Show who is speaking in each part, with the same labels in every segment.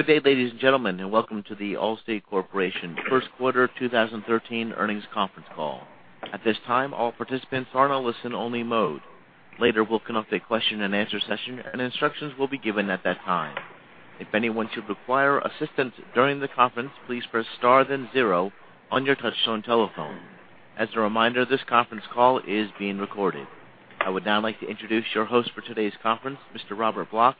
Speaker 1: Good day, ladies and gentlemen. Welcome to The Allstate Corporation First Quarter 2013 Earnings Conference Call. At this time, all participants are in a listen only mode. Later, we'll conduct a question and answer session. Instructions will be given at that time. If anyone should require assistance during the conference, please press star then zero on your touchtone telephone. As a reminder, this conference call is being recorded. I would now like to introduce your host for today's conference, Mr. Robert Block,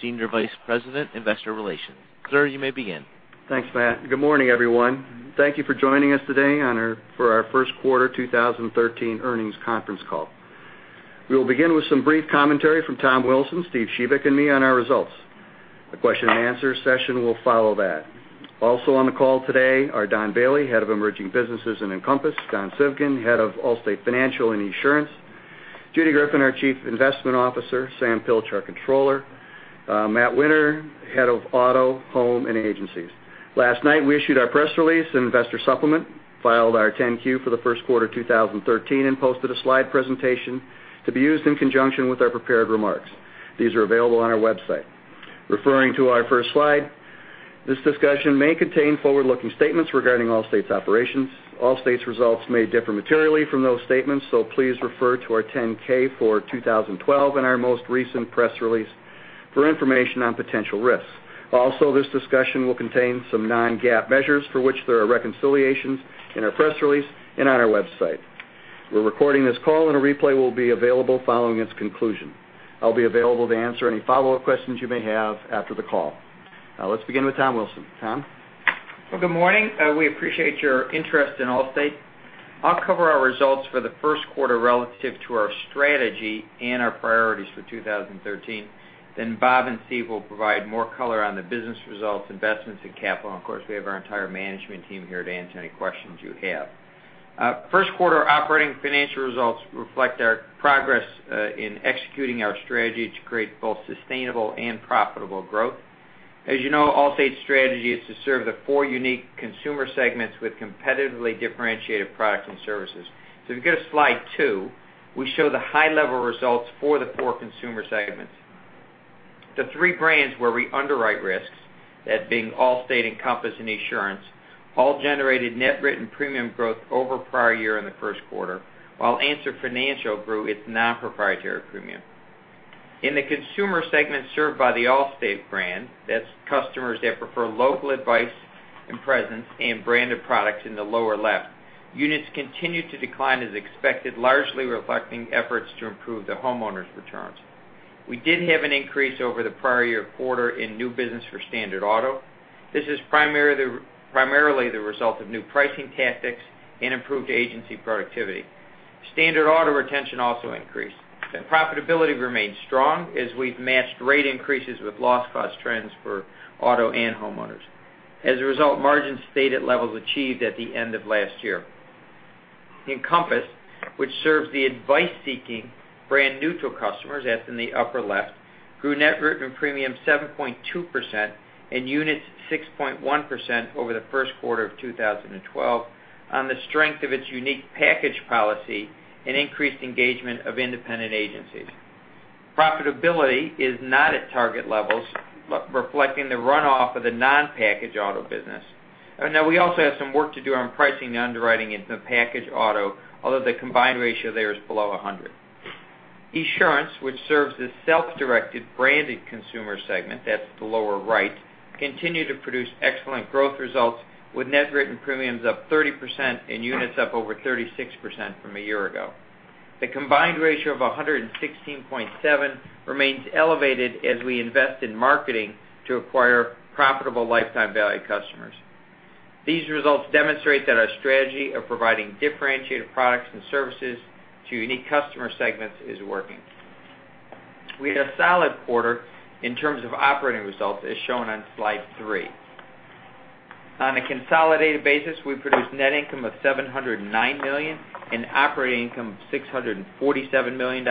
Speaker 1: Senior Vice President, Investor Relations. Sir, you may begin.
Speaker 2: Thanks, Matt. Good morning, everyone. Thank you for joining us today for our first quarter 2013 earnings conference call. We will begin with some brief commentary from Tom Wilson, Steve Shebik, and me on our results. A question and answer session will follow that. Also on the call today are Don Bailey, Head of Emerging Businesses and Encompass, Don Civgin, Head of Allstate Financial and Esurance, Judy Greffin, our Chief Investment Officer, Sam Pilch, Controller, Matt Winter, Head of Auto, Home, and Agencies. Last night we issued our press release and investor supplement, filed our 10-Q for the first quarter of 2013, and posted a slide presentation to be used in conjunction with our prepared remarks. These are available on our website. Referring to our first slide. This discussion may contain forward-looking statements regarding Allstate's operations. Allstate's results may differ materially from those statements. Please refer to our 10-K for 2012 and our most recent press release for information on potential risks. This discussion will contain some non-GAAP measures for which there are reconciliations in our press release and on our website. We're recording this call. A replay will be available following its conclusion. I'll be available to answer any follow-up questions you may have after the call. Let's begin with Tom Wilson. Tom?
Speaker 3: Good morning. We appreciate your interest in Allstate. I'll cover our results for the first quarter relative to our strategy and our priorities for 2013. Bob and Steve will provide more color on the business results, investments, and capital. Of course, we have our entire management team here to answer any questions you have. First quarter operating financial results reflect our progress in executing our strategy to create both sustainable and profitable growth. As you know, Allstate's strategy is to serve the four unique consumer segments with competitively differentiated products and services. If you go to Slide 2, we show the high level results for the four consumer segments. The three brands where we underwrite risks, that being Allstate, Encompass, and Esurance, all generated net written premium growth over prior year in the first quarter, while Answer Financial grew its non-proprietary premium. In the consumer segment served by the Allstate brand, that's customers that prefer local advice and presence and branded products in the lower left, units continued to decline as expected, largely reflecting efforts to improve the homeowners' returns. We did have an increase over the prior year quarter in new business for standard auto. This is primarily the result of new pricing tactics and improved agency productivity. Standard auto retention also increased, and profitability remained strong as we've matched rate increases with loss cost trends for auto and homeowners. As a result, margins stayed at levels achieved at the end of last year. Encompass, which serves the advice-seeking brand neutral customers, that's in the upper left, grew net written premium 7.2% and units 6.1% over the first quarter of 2012 on the strength of its unique package policy and increased engagement of independent agencies. Profitability is not at target levels, reflecting the runoff of the non-package auto business. We also have some work to do on pricing and underwriting into the package auto, although the combined ratio there is below 100. Esurance, which serves the self-directed branded consumer segment, that's the lower right, continued to produce excellent growth results with net written premiums up 30% and units up over 36% from a year ago. The combined ratio of 116.7 remains elevated as we invest in marketing to acquire profitable lifetime value customers. These results demonstrate that our strategy of providing differentiated products and services to unique customer segments is working. We had a solid quarter in terms of operating results, as shown on Slide 3. On a consolidated basis, we produced net income of $709 million and operating income of $647 million.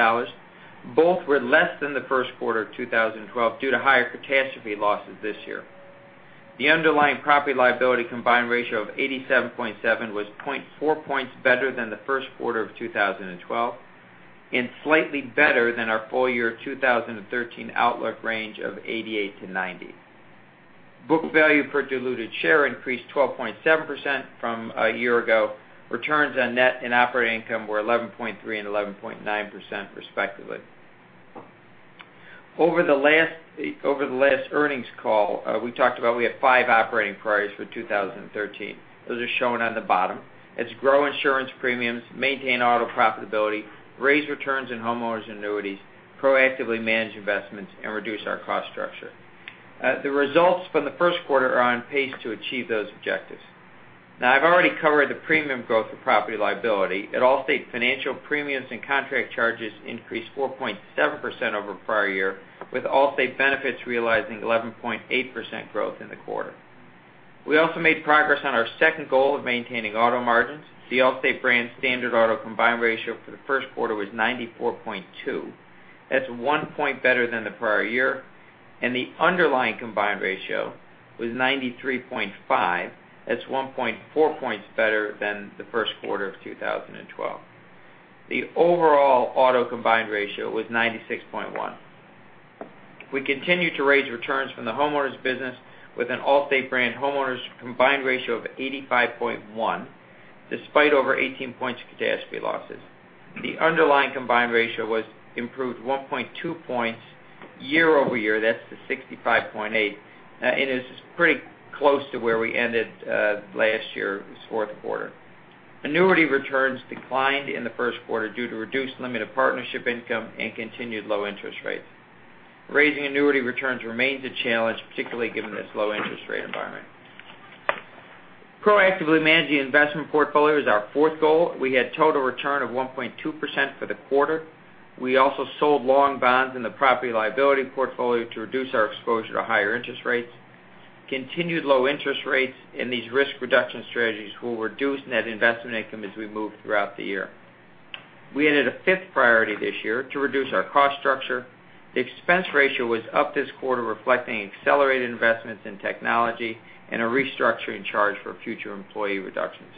Speaker 3: Both were less than the first quarter of 2012 due to higher catastrophe losses this year. The underlying property liability combined ratio of 87.7 was 0.4 points better than the first quarter of 2012, and slightly better than our full year 2013 outlook range of 88%-90%. Book value per diluted share increased 12.7% from a year ago. Returns on net and operating income were 11.3% and 11.9%, respectively. Over the last earnings call, we talked about we have five operating priorities for 2013. Those are shown on the bottom. It's grow insurance premiums, maintain auto profitability, raise returns in homeowners' annuities, proactively manage investments, and reduce our cost structure. The results from the first quarter are on pace to achieve those objectives. I've already covered the premium growth of property and liability. At Allstate Financial, premiums and contract charges increased 4.7% over prior year, with Allstate Benefits realizing 11.8% growth in the quarter. We also made progress on our second goal of maintaining auto margins. The Allstate brand standard auto combined ratio for the first quarter was 94.2. That's one point better than the prior year, and the underlying combined ratio was 93.5. That's 1.4 points better than the first quarter of 2012. The overall auto combined ratio was 96.1. We continue to raise returns from the homeowners business with an Allstate brand homeowners combined ratio of 85.1, despite over 18 points of catastrophe losses. The underlying combined ratio was improved 1.2 points year-over-year. That's to 65.8, and it's pretty close to where we ended last year, this fourth quarter. Annuity returns declined in the first quarter due to reduced limited partnership income and continued low interest rates. Raising annuity returns remains a challenge, particularly given this low interest rate environment. Proactively managing the investment portfolio is our fourth goal. We had total return of 1.2% for the quarter. We also sold long bonds in the Property liability portfolio to reduce our exposure to higher interest rates. Continued low interest rates in these risk reduction strategies will reduce net investment income as we move throughout the year. We added a fifth priority this year to reduce our cost structure. The expense ratio was up this quarter, reflecting accelerated investments in technology and a restructuring charge for future employee reductions.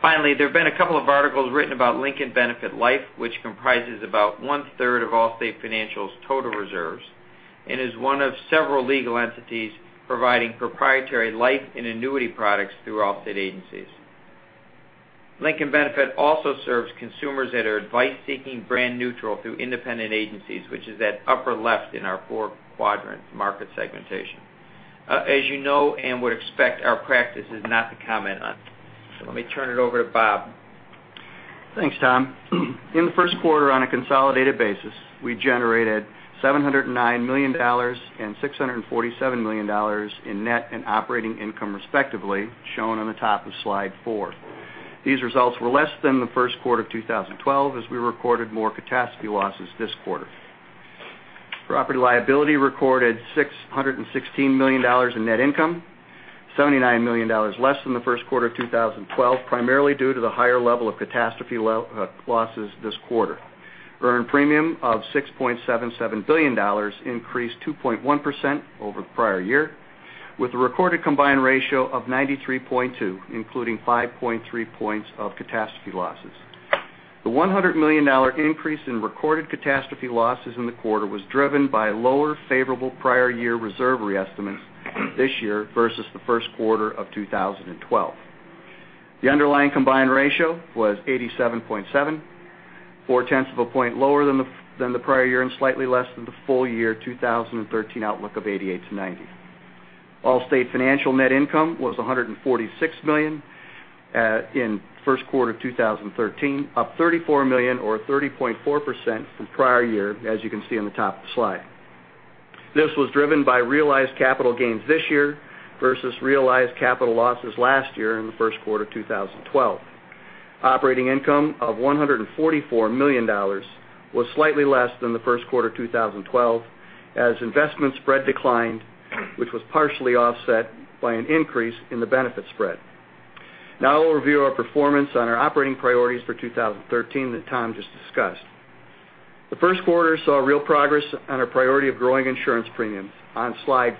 Speaker 3: Finally, there have been a couple of articles written about Lincoln Benefit Life, which comprises about one-third of Allstate Financial's total reserves, and is one of several legal entities providing proprietary life and annuity products through Allstate agencies. Lincoln Benefit also serves consumers that are advice-seeking brand neutral through independent agencies, which is that upper left in our four-quadrant market segmentation. As you know, would expect, our practice is not to comment on it. Let me turn it over to Bob.
Speaker 2: Thanks, Tom. In the first quarter, on a consolidated basis, we generated $709 million and $647 million in net and operating income, respectively, shown on the top of slide four. These results were less than the first quarter of 2012, as we recorded more catastrophe losses this quarter. Property liability recorded $616 million in net income, $79 million less than the first quarter of 2012, primarily due to the higher level of catastrophe losses this quarter. Earned premium of $6.77 billion increased 2.1% over the prior year, with a recorded combined ratio of 93.2, including 5.3 points of catastrophe losses. The $100 million increase in recorded catastrophe losses in the quarter was driven by lower favorable prior year reserve re-estimates this year versus the first quarter of 2012. The underlying combined ratio was 87.7, or one-tenth of a point lower than the prior year and slightly less than the full year 2013 outlook of 88-90. Allstate Financial net income was $146 million in first quarter of 2013, up $34 million or 30.4% from prior year, as you can see on the top of the slide. This was driven by realized capital gains this year versus realized capital losses last year in the first quarter of 2012. Operating income of $144 million was slightly less than the first quarter of 2012, as investment spread declined, which was partially offset by an increase in the benefit spread. I'll review our performance on our operating priorities for 2013 that Tom just discussed. The first quarter saw real progress on our priority of growing insurance premiums. On slide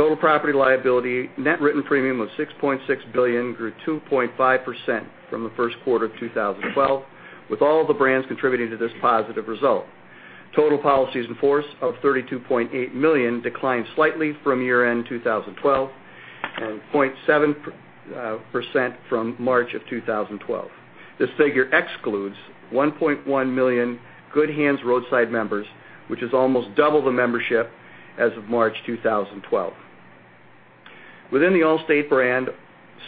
Speaker 2: five, total property liability net written premium was $6.6 billion, grew 2.5% from the first quarter of 2012, with all of the brands contributing to this positive result. Total policies in force of 32.8 million declined slightly from year-end 2012, and 0.7% from March of 2012. This figure excludes 1.1 million Good Hands Roadside members, which is almost double the membership as of March 2012. Within the Allstate brand,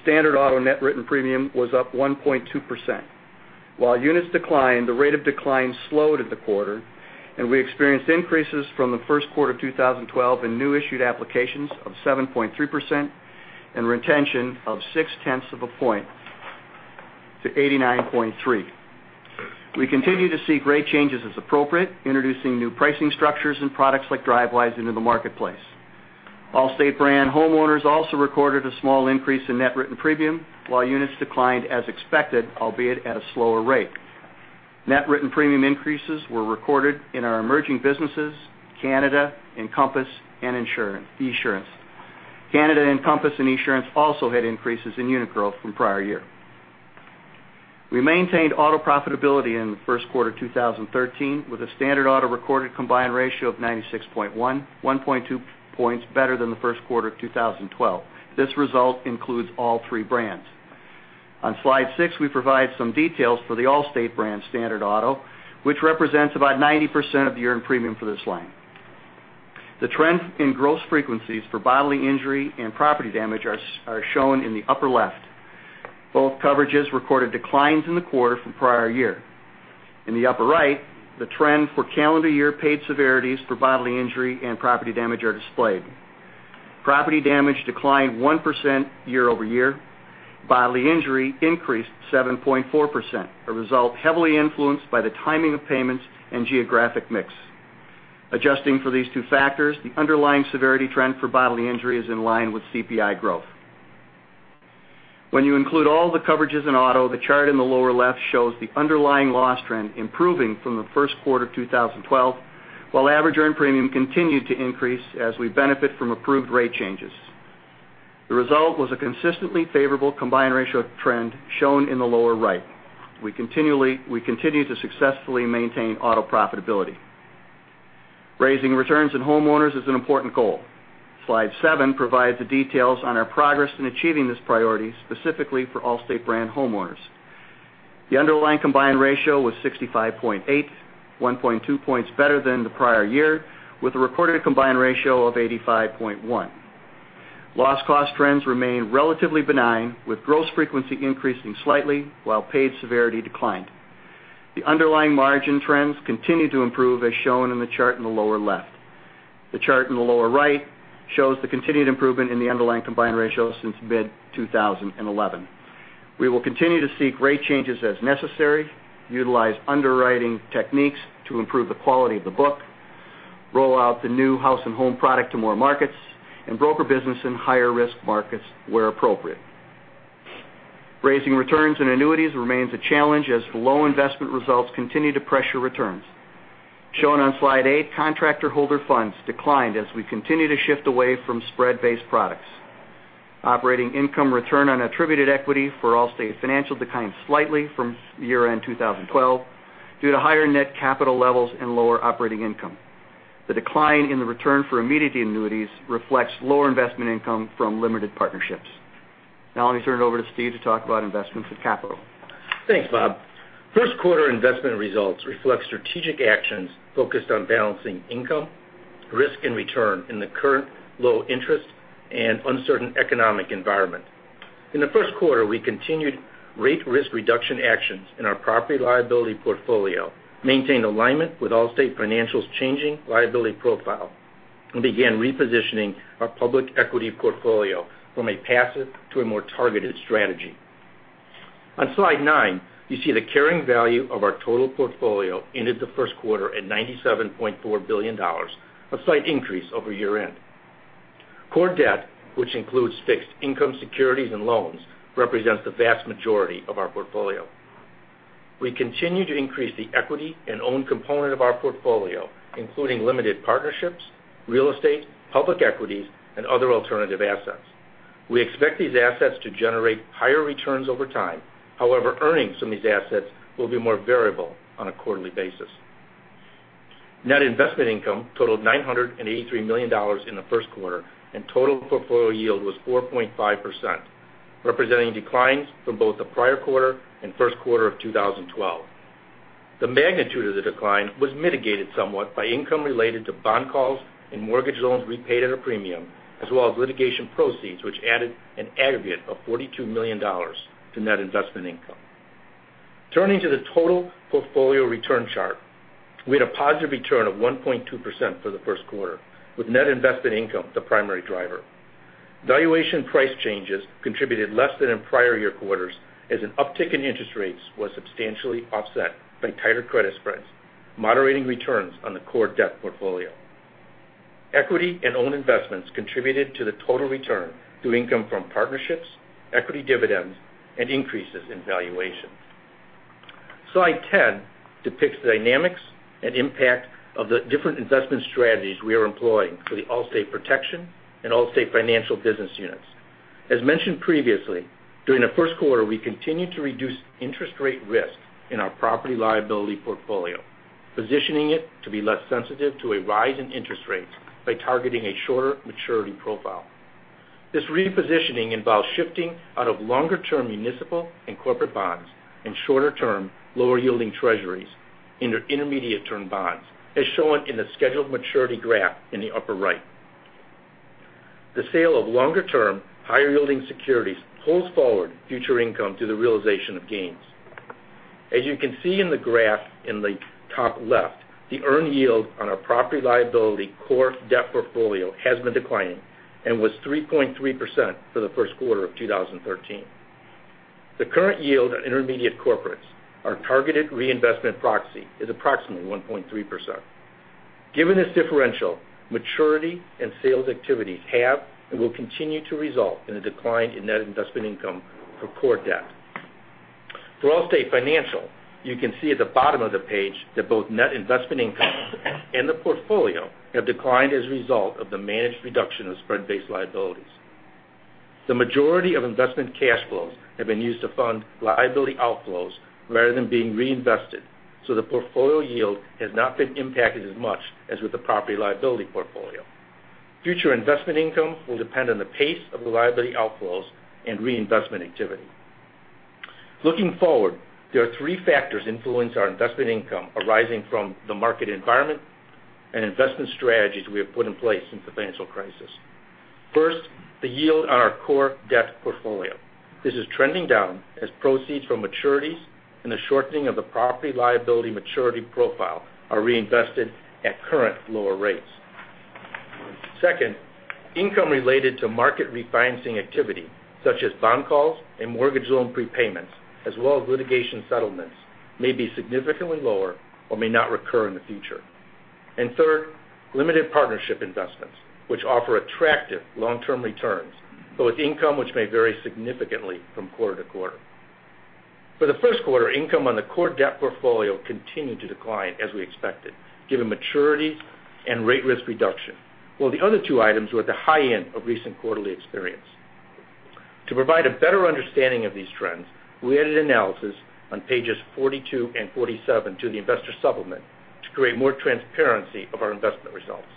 Speaker 2: standard auto net written premium was up 1.2%. While units declined, the rate of decline slowed in the quarter, and we experienced increases from the first quarter of 2012 in new issued applications of 7.3% and retention of six-tenths of a point to 89.3. We continue to see great changes as appropriate, introducing new pricing structures and products like Drivewise into the marketplace. Allstate brand homeowners also recorded a small increase in net written premium, while units declined as expected, albeit at a slower rate. Net written premium increases were recorded in our emerging businesses, Canada, Encompass, and Esurance. Canada, Encompass, and Esurance also had increases in unit growth from prior year. We maintained auto profitability in the first quarter 2013, with a standard auto recorded combined ratio of 96.1.2 points better than the first quarter of 2012. This result includes all three brands. On slide six, we provide some details for the Allstate brand standard auto, which represents about 90% of the earned premium for this line. The trend in gross frequencies for bodily injury and property damage are shown in the upper left. Both coverages recorded declines in the quarter from prior year. In the upper right, the trend for calendar year paid severities for bodily injury and property damage are displayed. Property damage declined 1% year-over-year. Bodily injury increased 7.4%, a result heavily influenced by the timing of payments and geographic mix. Adjusting for these two factors, the underlying severity trend for bodily injury is in line with CPI growth. When you include all the coverages in auto, the chart in the lower left shows the underlying loss trend improving from the first quarter of 2012, while average earned premium continued to increase as we benefit from approved rate changes. The result was a consistently favorable combined ratio trend shown in the lower right. We continue to successfully maintain auto profitability. Raising returns in homeowners is an important goal. Slide seven provides the details on our progress in achieving this priority specifically for Allstate brand homeowners. The underlying combined ratio was 65.8, 1.2 points better than the prior year, with a recorded combined ratio of 85.1. Loss cost trends remain relatively benign, with gross frequency increasing slightly while paid severity declined. The underlying margin trends continue to improve as shown in the chart in the lower left. The chart in the lower right shows the continued improvement in the underlying combined ratio since mid-2011. We will continue to seek rate changes as necessary, utilize underwriting techniques to improve the quality of the book, roll out the new House and Home product to more markets, and broker business in higher-risk markets where appropriate. Raising returns in annuities remains a challenge as low investment results continue to pressure returns. Shown on slide eight, contractor holder funds declined as we continue to shift away from spread-based products. Operating income return on attributed equity for Allstate Financial declined slightly from year-end 2012 due to higher net capital levels and lower operating income. The decline in the return for immediate annuities reflects lower investment income from limited partnerships. Let me turn it over to Steve to talk about investments and capital.
Speaker 4: Thanks, Bob. First quarter investment results reflect strategic actions focused on balancing income, risk, and return in the current low interest and uncertain economic environment. In the first quarter, we continued rate risk reduction actions in our property liability portfolio, maintained alignment with Allstate Financial's changing liability profile, and began repositioning our public equity portfolio from a passive to a more targeted strategy. On slide nine, you see the carrying value of our total portfolio ended the first quarter at $97.4 billion, a slight increase over year-end. Core debt, which includes fixed income securities and loans, represents the vast majority of our portfolio. We continue to increase the equity and owned component of our portfolio, including limited partnerships, real estate, public equities, and other alternative assets. We expect these assets to generate higher returns over time. Earnings from these assets will be more variable on a quarterly basis. Net investment income totaled $983 million in the first quarter, and total portfolio yield was 4.5%, representing declines from both the prior quarter and first quarter of 2012. The magnitude of the decline was mitigated somewhat by income related to bond calls and mortgage loans repaid at a premium, as well as litigation proceeds, which added an aggregate of $42 million to net investment income. Turning to the total portfolio return chart, we had a positive return of 1.2% for the first quarter, with net investment income the primary driver. Valuation price changes contributed less than in prior year quarters as an uptick in interest rates was substantially offset by tighter credit spreads, moderating returns on the core debt portfolio. Equity and owned investments contributed to the total return through income from partnerships, equity dividends, and increases in valuation. Slide 10 depicts the dynamics and impact of the different investment strategies we are employing for the Allstate Protection and Allstate Financial business units. As mentioned previously, during the first quarter, we continued to reduce interest rate risk in our property liability portfolio, positioning it to be less sensitive to a rise in interest rates by targeting a shorter maturity profile. This repositioning involves shifting out of longer-term municipal and corporate bonds and shorter-term, lower-yielding treasuries into intermediate-term bonds, as shown in the scheduled maturity graph in the upper right. The sale of longer-term, higher-yielding securities pulls forward future income through the realization of gains. As you can see in the graph in the top left, the earned yield on our property liability core debt portfolio has been declining and was 3.3% for the first quarter of 2013. The current yield on intermediate corporates, our targeted reinvestment proxy, is approximately 1.3%. Given this differential, maturity and sales activities have and will continue to result in a decline in net investment income for core debt. For Allstate Financial, you can see at the bottom of the page that both net investment income and the portfolio have declined as a result of the managed reduction of spread-based liabilities. The majority of investment cash flows have been used to fund liability outflows rather than being reinvested, so the portfolio yield has not been impacted as much as with the property liability portfolio. Future investment income will depend on the pace of the liability outflows and reinvestment activity. Looking forward, there are three factors influencing our investment income arising from the market environment and investment strategies we have put in place since the financial crisis. First, the yield on our core debt portfolio. This is trending down as proceeds from maturities and the shortening of the property liability maturity profile are reinvested at current lower rates. Second, income related to market refinancing activity, such as bond calls and mortgage loan prepayments, as well as litigation settlements, may be significantly lower or may not recur in the future. Third, limited partnership investments, which offer attractive long-term returns, but with income which may vary significantly from quarter to quarter. For the first quarter, income on the core debt portfolio continued to decline as we expected, given maturity and rate risk reduction, while the other two items were at the high end of recent quarterly experience. To provide a better understanding of these trends, we added analysis on pages 42 and 47 to the investor supplement to create more transparency of our investment results.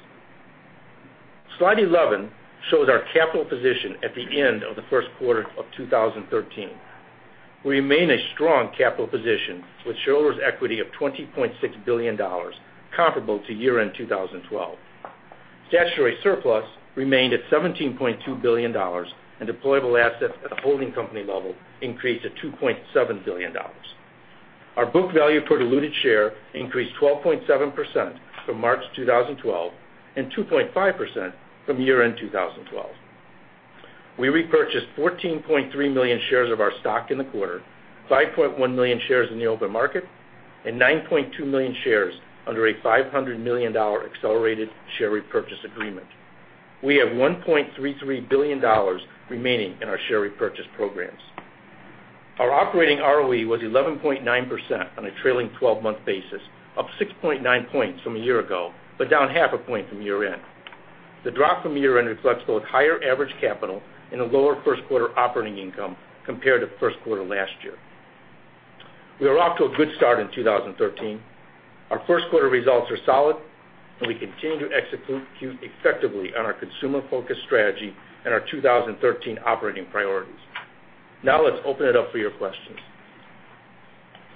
Speaker 4: Slide 11 shows our capital position at the end of the first quarter of 2013. We remain a strong capital position with shareholders' equity of $20.6 billion, comparable to year-end 2012. Statutory surplus remained at $17.2 billion, and deployable assets at the holding company level increased to $2.7 billion. Our book value per diluted share increased 12.7% from March 2012, and 2.5% from year-end 2012. We repurchased 14.3 million shares of our stock in the quarter, 5.1 million shares in the open market, and 9.2 million shares under a $500 million accelerated share repurchase agreement. We have $1.33 billion remaining in our share repurchase programs. Our operating ROE was 11.9% on a trailing 12-month basis, up 6.9 points from a year ago, but down half a point from year-end. The drop from year-end reflects both higher average capital and a lower first quarter operating income compared to first quarter last year. We are off to a good start in 2013. Our first quarter results are solid, and we continue to execute effectively on our consumer-focused strategy and our 2013 operating priorities. Let's open it up for your questions.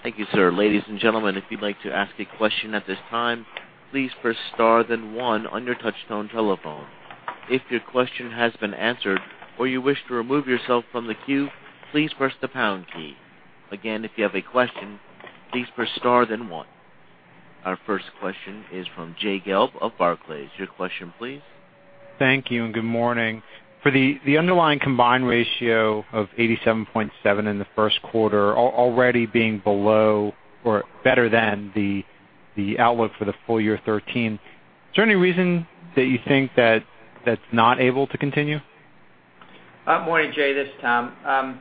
Speaker 1: Thank you, sir. Ladies and gentlemen, if you'd like to ask a question at this time, please press star then one on your touch-tone telephone. If your question has been answered or you wish to remove yourself from the queue, please press the pound key. Again, if you have a question, please press star then one. Our first question is from Jay Gelb of Barclays. Your question, please.
Speaker 5: Thank you. Good morning. For the underlying combined ratio of 87.7 in the first quarter already being below or better than the outlook for the full year 2013, is there any reason that you think that that's not able to continue?
Speaker 3: Morning, Jay. This is Tom.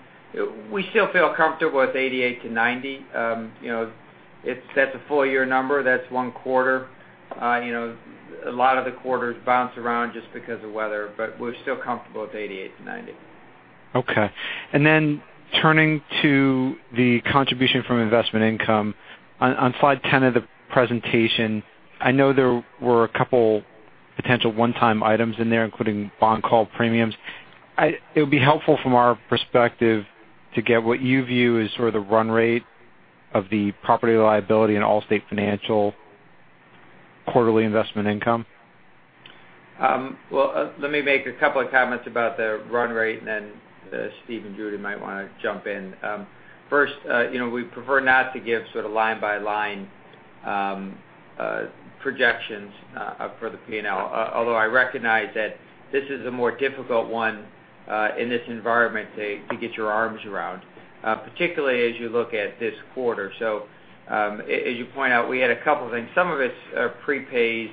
Speaker 3: We still feel comfortable with 88%-90%. That's a full-year number. That's one quarter. A lot of the quarters bounce around just because of weather, but we're still comfortable with 88%-90%.
Speaker 5: Okay. Turning to the contribution from investment income, on slide 10 of the presentation, I know there were a couple potential one-time items in there, including bond call premiums. It would be helpful from our perspective to get what you view as sort of the run rate of the property liability in Allstate Financial quarterly investment income.
Speaker 3: Let me make a couple of comments about the run rate, and then Steve and Judy might want to jump in. First, we prefer not to give sort of line-by-line projections for the P&L. Although I recognize that this is a more difficult one in this environment to get your arms around, particularly as you look at this quarter. As you point out, we had a couple of things. Some of it's prepays,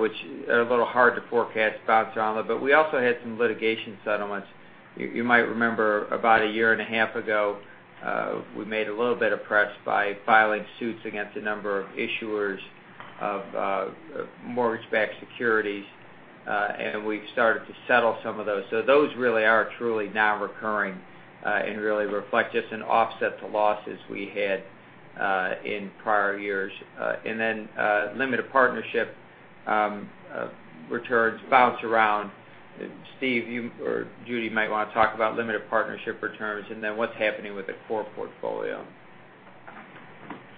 Speaker 3: which are a little hard to forecast bounce around, but we also had some litigation settlements. You might remember about a year and a half ago, we made a little bit of press by filing suits against a number of issuers of mortgage-backed securities, and we've started to settle some of those. Those really are truly now recurring and really reflect just an offset to losses we had in prior years. Limited partnership returns bounce around. Steve or Judy, you might want to talk about limited partnership returns, what's happening with the core portfolio.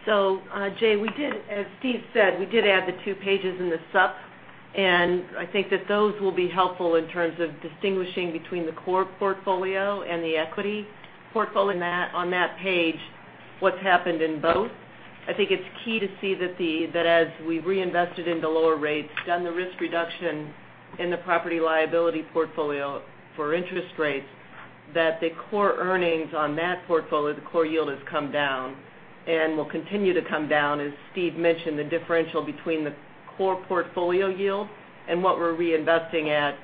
Speaker 6: Jay, as Steve said, we did add the 2 pages in the supp, and I think that those will be helpful in terms of distinguishing between the core portfolio and the equity portfolio on that page, what's happened in both. I think it's key to see that as we reinvested into lower rates, done the risk reduction in the property liability portfolio for interest rates, that the core earnings on that portfolio, the core yield, has come down and will continue to come down. As Steve mentioned, the differential between the core portfolio yield and what we're reinvesting at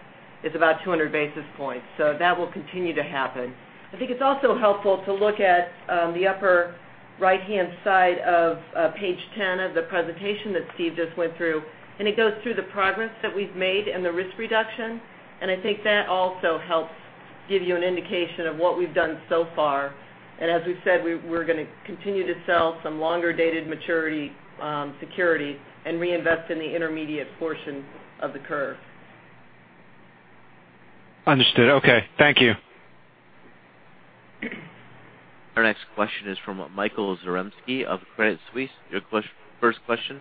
Speaker 6: is about 200 basis points. That will continue to happen. I think it's also helpful to look at the upper right-hand side of page 10 of the presentation that Steve just went through, it goes through the progress that we've made and the risk reduction. I think that also helps give you an indication of what we've done so far. As we've said, we're going to continue to sell some longer-dated maturity security and reinvest in the intermediate portion of the curve.
Speaker 5: Understood. Okay. Thank you.
Speaker 1: Our next question is from Michael Zaremski of Credit Suisse. Your first question.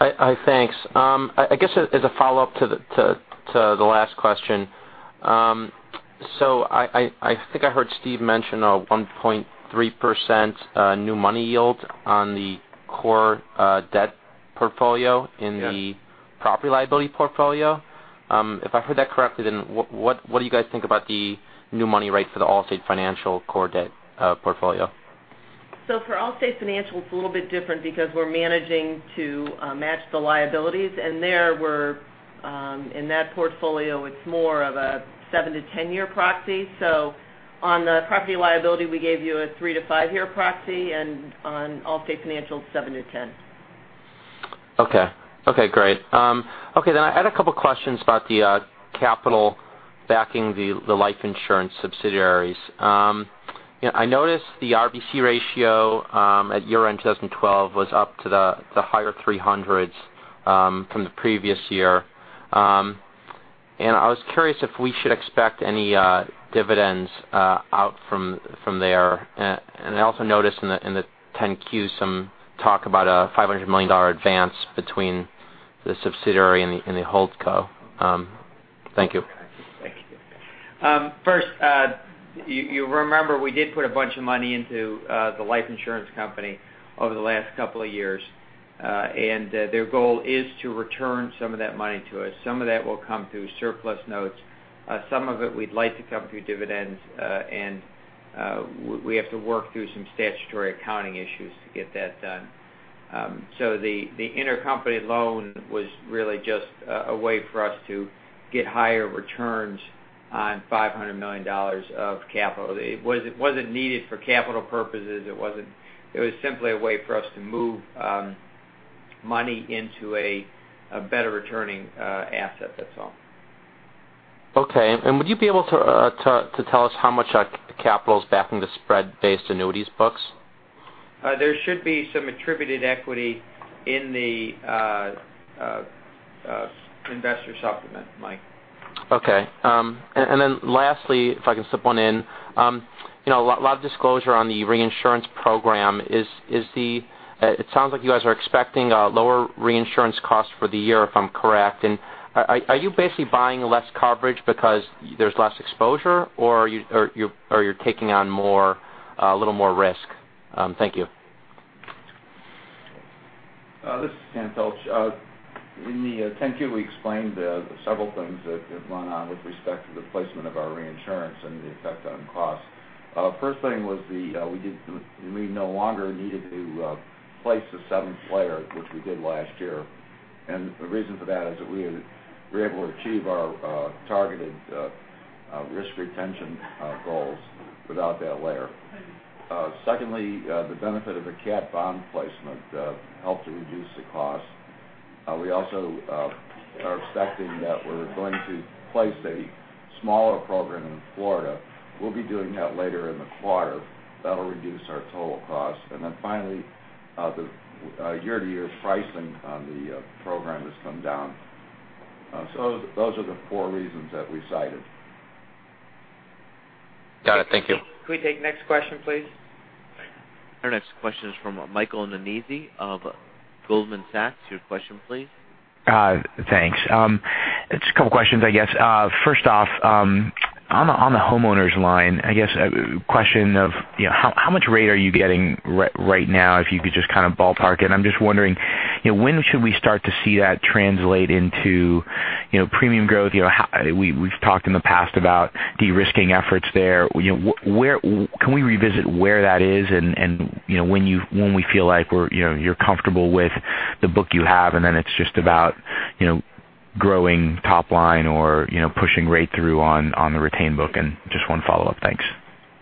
Speaker 7: Thanks. I guess as a follow-up to the last question. I think I heard Steve mention a 1.3% new money yield on the core debt portfolio in the property liability portfolio. If I heard that correctly, what do you guys think about the new money rate for the Allstate Financial core debt portfolio?
Speaker 6: For Allstate Financial, it's a little bit different because we're managing to match the liabilities. And there, in that portfolio, it's more of a 7-10-year proxy. On the property liability, we gave you a 3-5-year proxy, and on Allstate Financial, 7-10.
Speaker 7: Okay, great. Okay, I had a couple questions about the capital backing the life insurance subsidiaries. I noticed the RBC ratio at year-end 2012 was up to the higher 300s from the previous year. I was curious if we should expect any dividends out from there. I also noticed in the 10-Q some talk about a $500 million advance between the subsidiary and the holdco. Thank you.
Speaker 3: Thank you. First, you remember we did put a bunch of money into the life insurance company over the last couple of years. Their goal is to return some of that money to us. Some of that will come through surplus notes. Some of it we'd like to come through dividends. We have to work through some statutory accounting issues to get that done. The intercompany loan was really just a way for us to get higher returns on $500 million of capital. It wasn't needed for capital purposes. It was simply a way for us to move money into a better returning asset, that's all.
Speaker 7: Okay. Would you be able to tell us how much capital is backing the spread-based annuities books?
Speaker 3: There should be some attributed equity in the investor supplement, Mike.
Speaker 7: Lastly, if I can slip one in. A lot of disclosure on the reinsurance program. It sounds like you guys are expecting lower reinsurance costs for the year, if I'm correct. Are you basically buying less coverage because there's less exposure, or you're taking on a little more risk? Thank you.
Speaker 8: This is Sam Pilch. In the 10-Q, we explained several things that have gone on with respect to the placement of our reinsurance and the effect on cost. First thing was we no longer needed to place the seventh layer, which we did last year. The reason for that is that we were able to achieve our targeted risk retention goals without that layer. Secondly, the benefit of the cat bond placement helped to reduce the cost. We also are expecting that we're going to place a smaller program in Florida. We'll be doing that later in the quarter. That'll reduce our total cost. Finally, the year-to-year pricing on the program has come down. Those are the four reasons that we cited.
Speaker 7: Got it. Thank you.
Speaker 3: Can we take the next question, please?
Speaker 1: Our next question is from Michael Nannizzi of Goldman Sachs. Your question, please.
Speaker 9: Thanks. It's a couple questions, I guess. First off, on the homeowners line, I guess a question of how much rate are you getting right now, if you could just kind of ballpark it? I'm just wondering, when should we start to see that translate into premium growth? We've talked in the past about de-risking efforts there. Can we revisit where that is and when we feel like you're comfortable with the book you have and then it's just about growing top line or pushing rate through on the retained book? Just one follow-up. Thanks.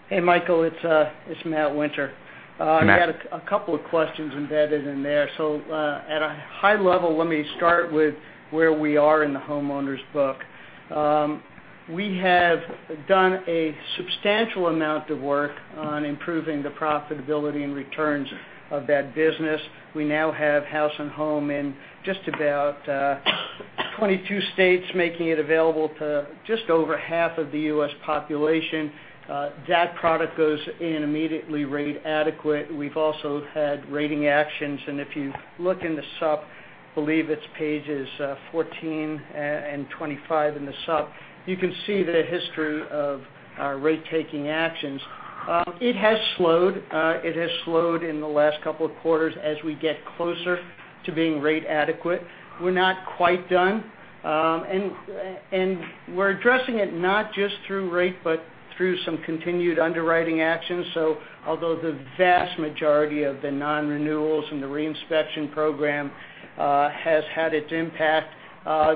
Speaker 10: Hey Michael, it's Matt Winter.
Speaker 9: Matt.
Speaker 10: I've got a couple of questions embedded in there. At a high level, let me start with where we are in the homeowners book. We have done a substantial amount of work on improving the profitability and returns of that business. We now have Allstate House and Home in just about 22 states, making it available to just over half of the U.S. population. That product goes in immediately rate adequate. We've also had rating actions. If you look in the sup, believe it's pages 14 and 25 in the sup, you can see the history of our rate taking actions. It has slowed. It has slowed in the last couple of quarters as we get closer to being rate adequate. We're not quite done. We're addressing it not just through rate, but through some continued underwriting actions. Although the vast majority of the non-renewals and the re-inspection program has had its impact,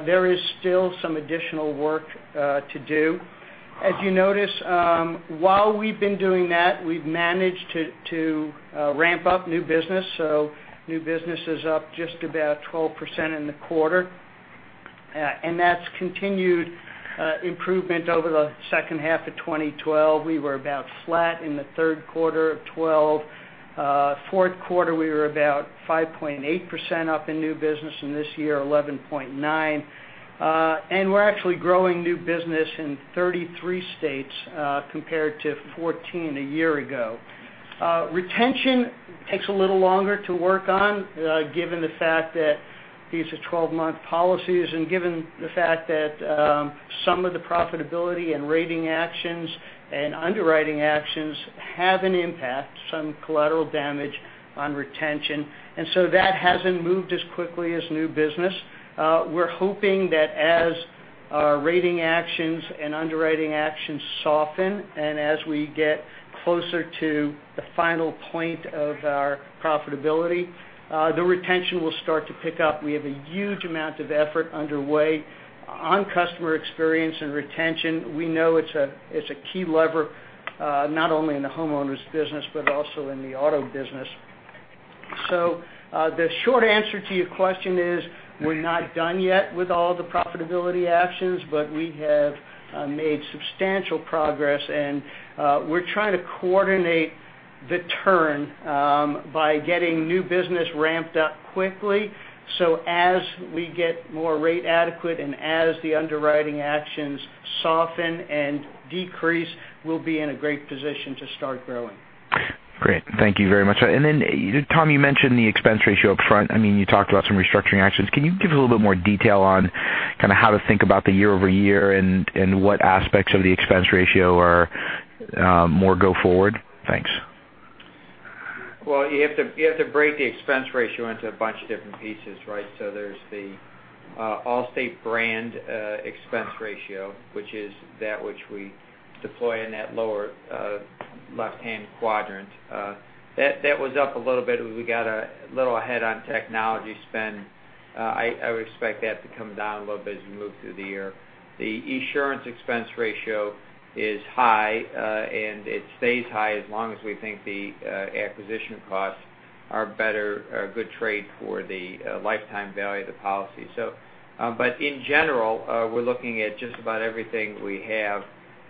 Speaker 10: there is still some additional work to do. As you notice, while we've been doing that, we've managed to ramp up new business. New business is up just about 12% in the quarter. That's continued improvement over the second half of 2012. We were about flat in the third quarter of 2012. Fourth quarter, we were about 5.8% up in new business and this year 11.9%. We're actually growing new business in 33 states compared to 14 a year ago. Retention takes a little longer to work on given the fact that these are 12-month policies and given the fact that some of the profitability and rating actions and underwriting actions have an impact, some collateral damage on retention. That hasn't moved as quickly as new business. We're hoping that as our rating actions and underwriting actions soften, and as we get closer to the final point of our profitability, the retention will start to pick up. We have a huge amount of effort underway on customer experience and retention. We know it's a key lever, not only in the homeowners business, but also in the auto business. The short answer to your question is we're not done yet with all the profitability actions, but we have made substantial progress, and we're trying to coordinate the turn by getting new business ramped up quickly. As we get more rate adequate, and as the underwriting actions soften and decrease, we'll be in a great position to start growing.
Speaker 9: Great. Thank you very much. Tom, you mentioned the expense ratio up front. You talked about some restructuring actions. Can you give a little bit more detail on how to think about the year-over-year and what aspects of the expense ratio are more go forward? Thanks.
Speaker 3: Well, you have to break the expense ratio into a bunch of different pieces, right? There's the Allstate brand expense ratio, which is that which we deploy in that lower left-hand quadrant. That was up a little bit. We got a little ahead on technology spend. I would expect that to come down a little bit as we move through the year. The Esurance expense ratio is high, and it stays high as long as we think the acquisition costs are a good trade for the lifetime value of the policy. In general, we're looking at just about everything we have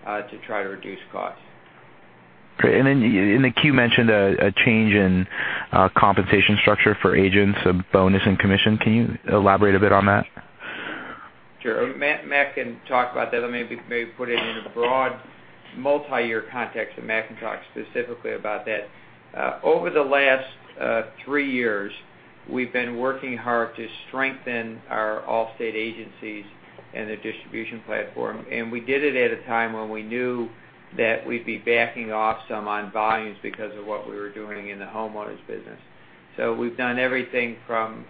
Speaker 3: to try to reduce costs.
Speaker 9: Great. In the 10-Q, you mentioned a change in compensation structure for agents of bonus and commission. Can you elaborate a bit on that?
Speaker 3: Sure. Matt can talk about that. Let me maybe put it in a broad multi-year context, and Matt can talk specifically about that. Over the last three years, we've been working hard to strengthen our Allstate agencies and the distribution platform, and we did it at a time when we knew that we'd be backing off some on volumes because of what we were doing in the homeowners business. We've done everything from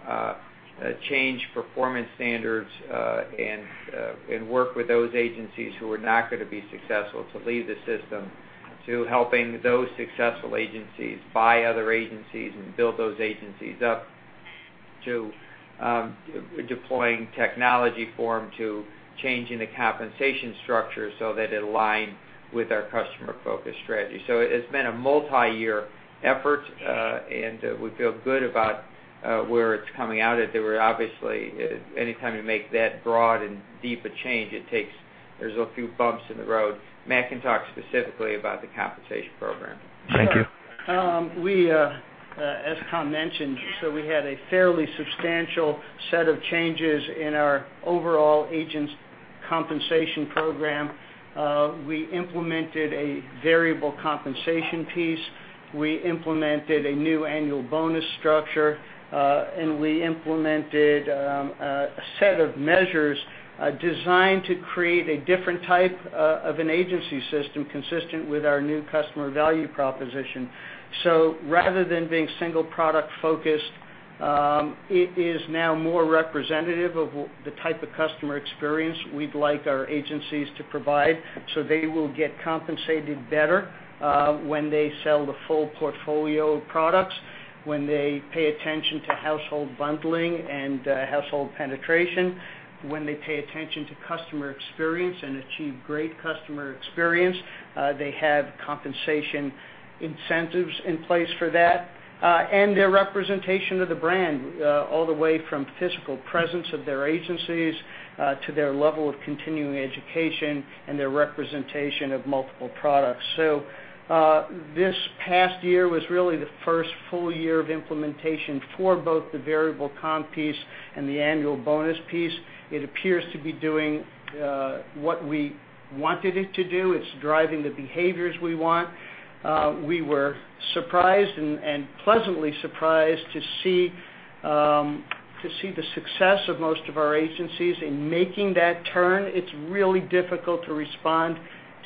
Speaker 3: change performance standards, and work with those agencies who are not going to be successful to leave the system, to helping those successful agencies buy other agencies and build those agencies up, to deploying technology for them, to changing the compensation structure so that it aligned with our customer-focused strategy. It's been a multi-year effort, and we feel good about where it's coming out at. Obviously, any time you make that broad and deep a change, there's a few bumps in the road. Mac can talk specifically about the compensation program.
Speaker 9: Thank you.
Speaker 10: As Tom mentioned, we had a fairly substantial set of changes in our overall agents compensation program. We implemented a variable compensation piece, we implemented a new annual bonus structure, and we implemented a set of measures designed to create a different type of an agency system consistent with our new customer value proposition. Rather than being single product focused, it is now more representative of the type of customer experience we'd like our agencies to provide. They will get compensated better when they sell the full portfolio of products, when they pay attention to household bundling and household penetration, when they pay attention to customer experience and achieve great customer experience, they have compensation incentives in place for that. Their representation of the brand all the way from physical presence of their agencies to their level of continuing education and their representation of multiple products. This past year was really the first full year of implementation for both the variable comp piece and the annual bonus piece. It appears to be doing what we wanted it to do. It's driving the behaviors we want. We were surprised, and pleasantly surprised to see the success of most of our agencies in making that turn. It's really difficult to respond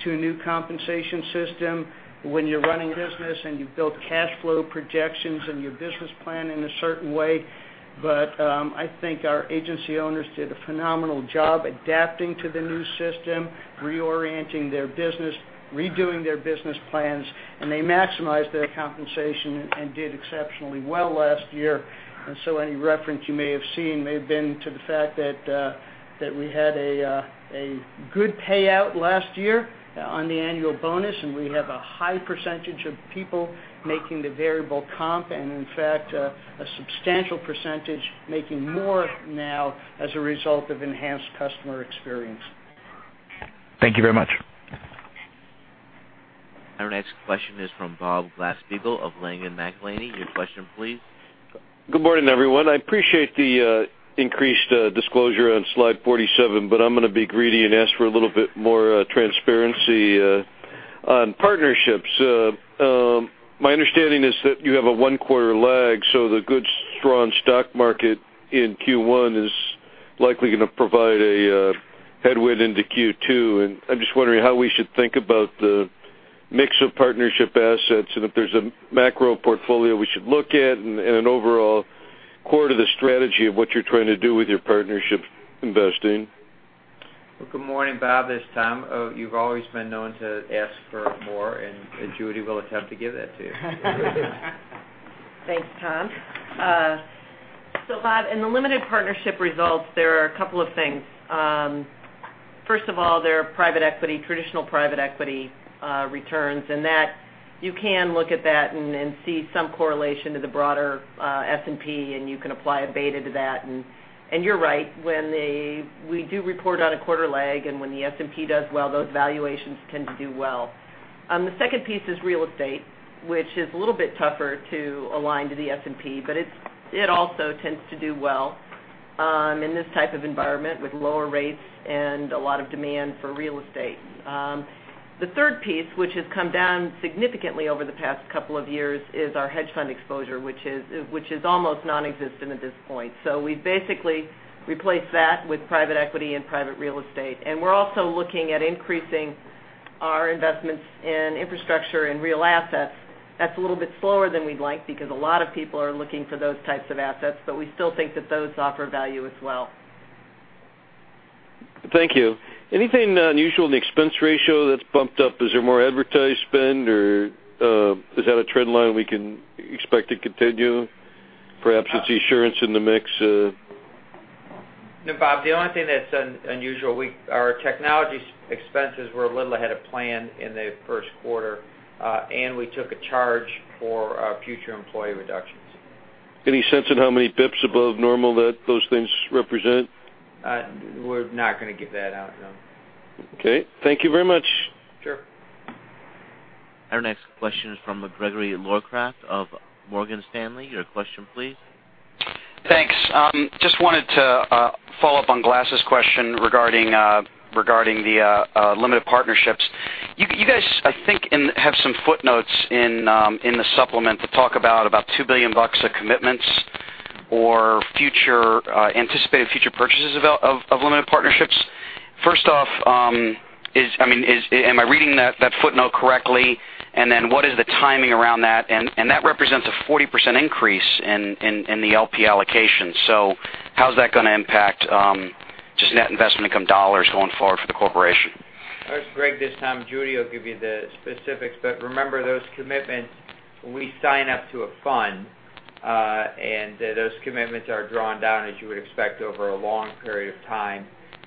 Speaker 10: to a new compensation system when you're running business and you've built cash flow projections and your business plan in a certain way. I think our agency owners did a phenomenal job adapting to the new system, reorienting their business, redoing their business plans, and they maximized their compensation and did exceptionally well last year. Any reference you may have seen may have been to the fact that we had a good payout last year on the annual bonus, and we have a high percentage of people making the variable comp, and in fact, a substantial percentage making more now as a result of enhanced customer experience.
Speaker 9: Thank you very much.
Speaker 1: Our next question is from Bob Glasspiegel of Ladenburg Thalmann. Your question, please.
Speaker 11: Good morning, everyone. I appreciate the increased disclosure on slide 47. I'm going to be greedy and ask for a little bit more transparency on partnerships. My understanding is that you have a one quarter lag, the good, strong stock market in Q1 is likely going to provide a headwind into Q2. I'm just wondering how we should think about the mix of partnership assets, and if there's a macro portfolio we should look at and an overall core to the strategy of what you're trying to do with your partnership investing?
Speaker 3: Good morning, Bob. This is Tom. You've always been known to ask for more. Judy will attempt to give that to you.
Speaker 6: Thanks, Tom. Bob, in the limited partnership results, there are a couple of things. First of all, there are traditional private equity returns. You can look at that and see some correlation to the broader S&P. You can apply a beta to that. You're right, when we do report on a one quarter lag and when the S&P does well, those valuations tend to do well. The second piece is real estate, which is a little bit tougher to align to the S&P. It also tends to do well in this type of environment with lower rates and a lot of demand for real estate. The third piece, which has come down significantly over the past couple of years, is our hedge fund exposure, which is almost nonexistent at this point. We've basically replaced that with private equity and private real estate. We're also looking at increasing our investments in infrastructure and real assets. That's a little bit slower than we'd like because a lot of people are looking for those types of assets, but we still think that those offer value as well.
Speaker 11: Thank you. Anything unusual in the expense ratio that's bumped up? Is there more advertising spend, or is that a trend line we can expect to continue? Perhaps it's Esurance in the mix?
Speaker 3: No, Bob, the only thing that's unusual, our technology expenses were a little ahead of plan in the first quarter, and we took a charge for our future employee reductions.
Speaker 11: Any sense of how many bips above normal that those things represent?
Speaker 3: We're not going to give that out, no.
Speaker 11: Okay. Thank you very much.
Speaker 3: Sure.
Speaker 1: Our next question is from Gregory Locraft of Morgan Stanley. Your question, please.
Speaker 12: Thanks. Just wanted to follow up on Gelb's question regarding the limited partnerships. You guys, I think, have some footnotes in the supplement that talk about $2 billion of commitments or anticipated future purchases of limited partnerships. First off, am I reading that footnote correctly? Then what is the timing around that? That represents a 40% increase in the LP allocation. How's that going to impact just net investment income dollars going forward for the corporation?
Speaker 3: Greg, this is Tom. Judy will give you the specifics, but remember those commitments, we sign up to a fund, those commitments are drawn down as you would expect over a long period of time.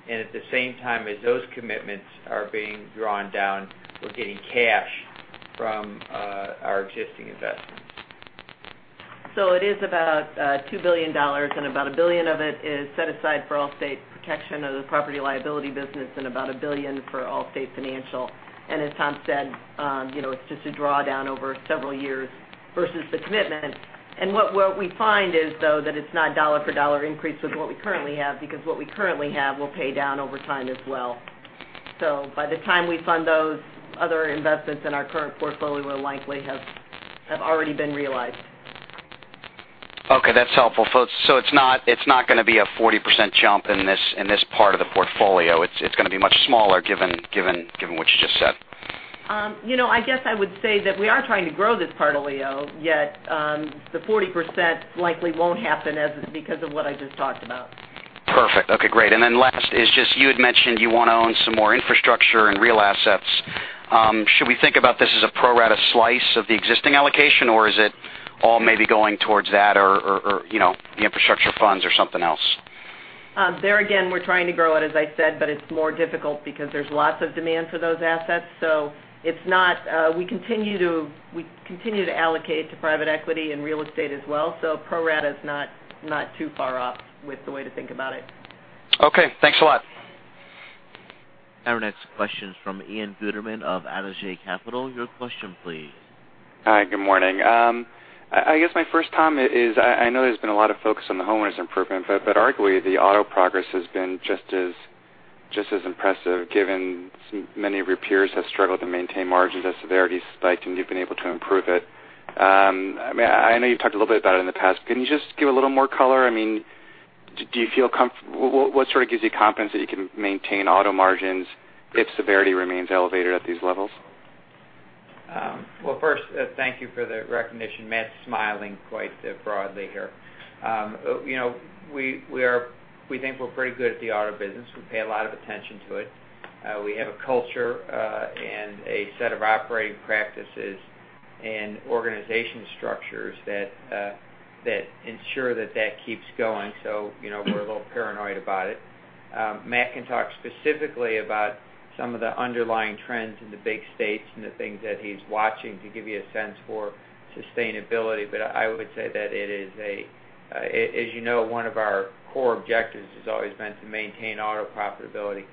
Speaker 3: At the same time as those commitments are being drawn down, we're getting cash from our existing investments.
Speaker 6: It is about $2 billion, and about $1 billion of it is set aside for Allstate Protection of the Property & Casualty business and about $1 billion for Allstate Financial. As Tom said, it's just a drawdown over several years versus the commitment. What we find is, though, that it's not dollar for dollar increase with what we currently have because what we currently have will pay down over time as well. By the time we fund those other investments in our current portfolio, we'll likely have already been realized.
Speaker 12: Okay, that's helpful. It's not going to be a 40% jump in this part of the portfolio. It's going to be much smaller given what you just said.
Speaker 6: I guess I would say that we are trying to grow this part of LEO, yet the 40% likely won't happen because of what I just talked about.
Speaker 12: Perfect. Okay, great. Last is just you had mentioned you want to own some more infrastructure and real assets. Should we think about this as a pro-rata slice of the existing allocation, or is it all maybe going towards that or the infrastructure funds or something else?
Speaker 6: There again, we're trying to grow it, as I said, but it's more difficult because there's lots of demand for those assets. We continue to allocate to private equity and real estate as well. Pro-rata is not too far off with the way to think about it.
Speaker 12: Okay. Thanks a lot.
Speaker 1: Our next question is from Ian Gutterman of Adage Capital. Your question, please.
Speaker 13: Hi, good morning. I guess my first comment is I know there's been a lot of focus on the homeowners improvement, but arguably the auto progress has been just as impressive given many of your peers have struggled to maintain margins as severity spiked, and you've been able to improve it. I know you've talked a little bit about it in the past. Can you just give a little more color? What sort of gives you confidence that you can maintain auto margins if severity remains elevated at these levels?
Speaker 3: First, thank you for the recognition. Matt's smiling quite broadly here. We think we're pretty good at the auto business. We pay a lot of attention to it. We have a culture and a set of operating practices and organization structures that ensure that that keeps going. We're a little paranoid about it. Matt can talk specifically about some of the underlying trends in the big states and the things that he's watching to give you a sense for sustainability. I would say that it is, as you know, one of our core objectives has always been to maintain auto profitability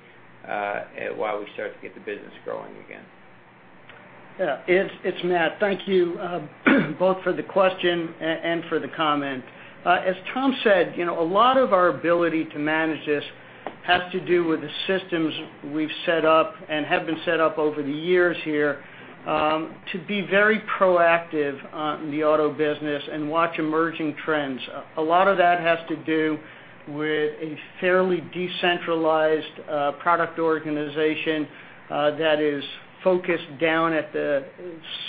Speaker 3: while we start to get the business growing again.
Speaker 10: Yeah. It's Matt. Thank you both for the question and for the comment. As Tom said, a lot of our ability to manage this has to do with the systems we've set up and have been set up over the years here to be very proactive in the auto business and watch emerging trends. A lot of that has to do with a fairly decentralized product organization that is focused down at the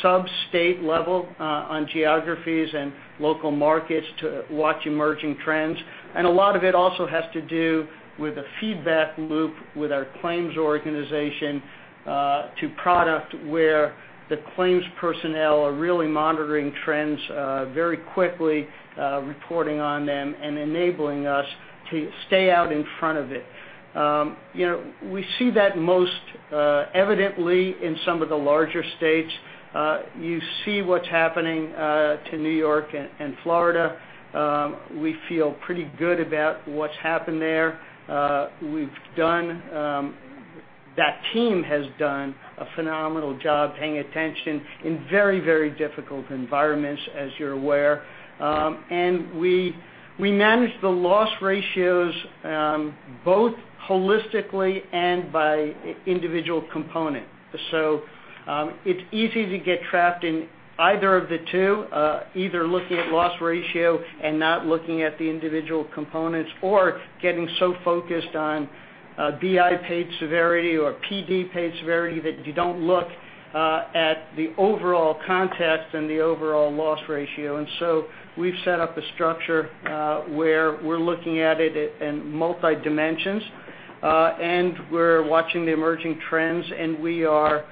Speaker 10: sub-state level on geographies and local markets to watch emerging trends. A lot of it also has to do with the feedback loop with our claims organization to product where the claims personnel are really monitoring trends very quickly, reporting on them and enabling us to stay out in front of it. We see that most evidently in some of the larger states. You see what's happening to New York and Florida. We feel pretty good about what's happened there. That team has done a phenomenal job paying attention in very difficult environments, as you're aware. We manage the loss ratios both holistically and by individual component. It's easy to get trapped in either of the two, either looking at loss ratio and not looking at the individual components or getting so focused on BI paid severity or PD paid severity that you don't look at the overall context and the overall loss ratio. We've set up a structure where we're looking at it in multi-dimensions, and we're watching the emerging trends, and we're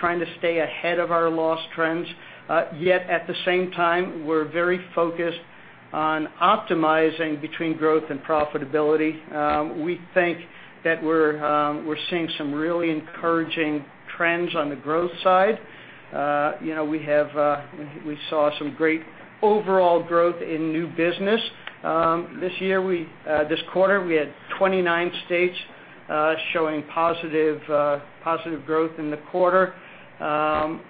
Speaker 10: trying to stay ahead of our loss trends. Yet at the same time, we're very focused on optimizing between growth and profitability. We think that we're seeing some really encouraging trends on the growth side. We saw some great overall growth in new business. This quarter, we had 29 states showing positive growth in the quarter,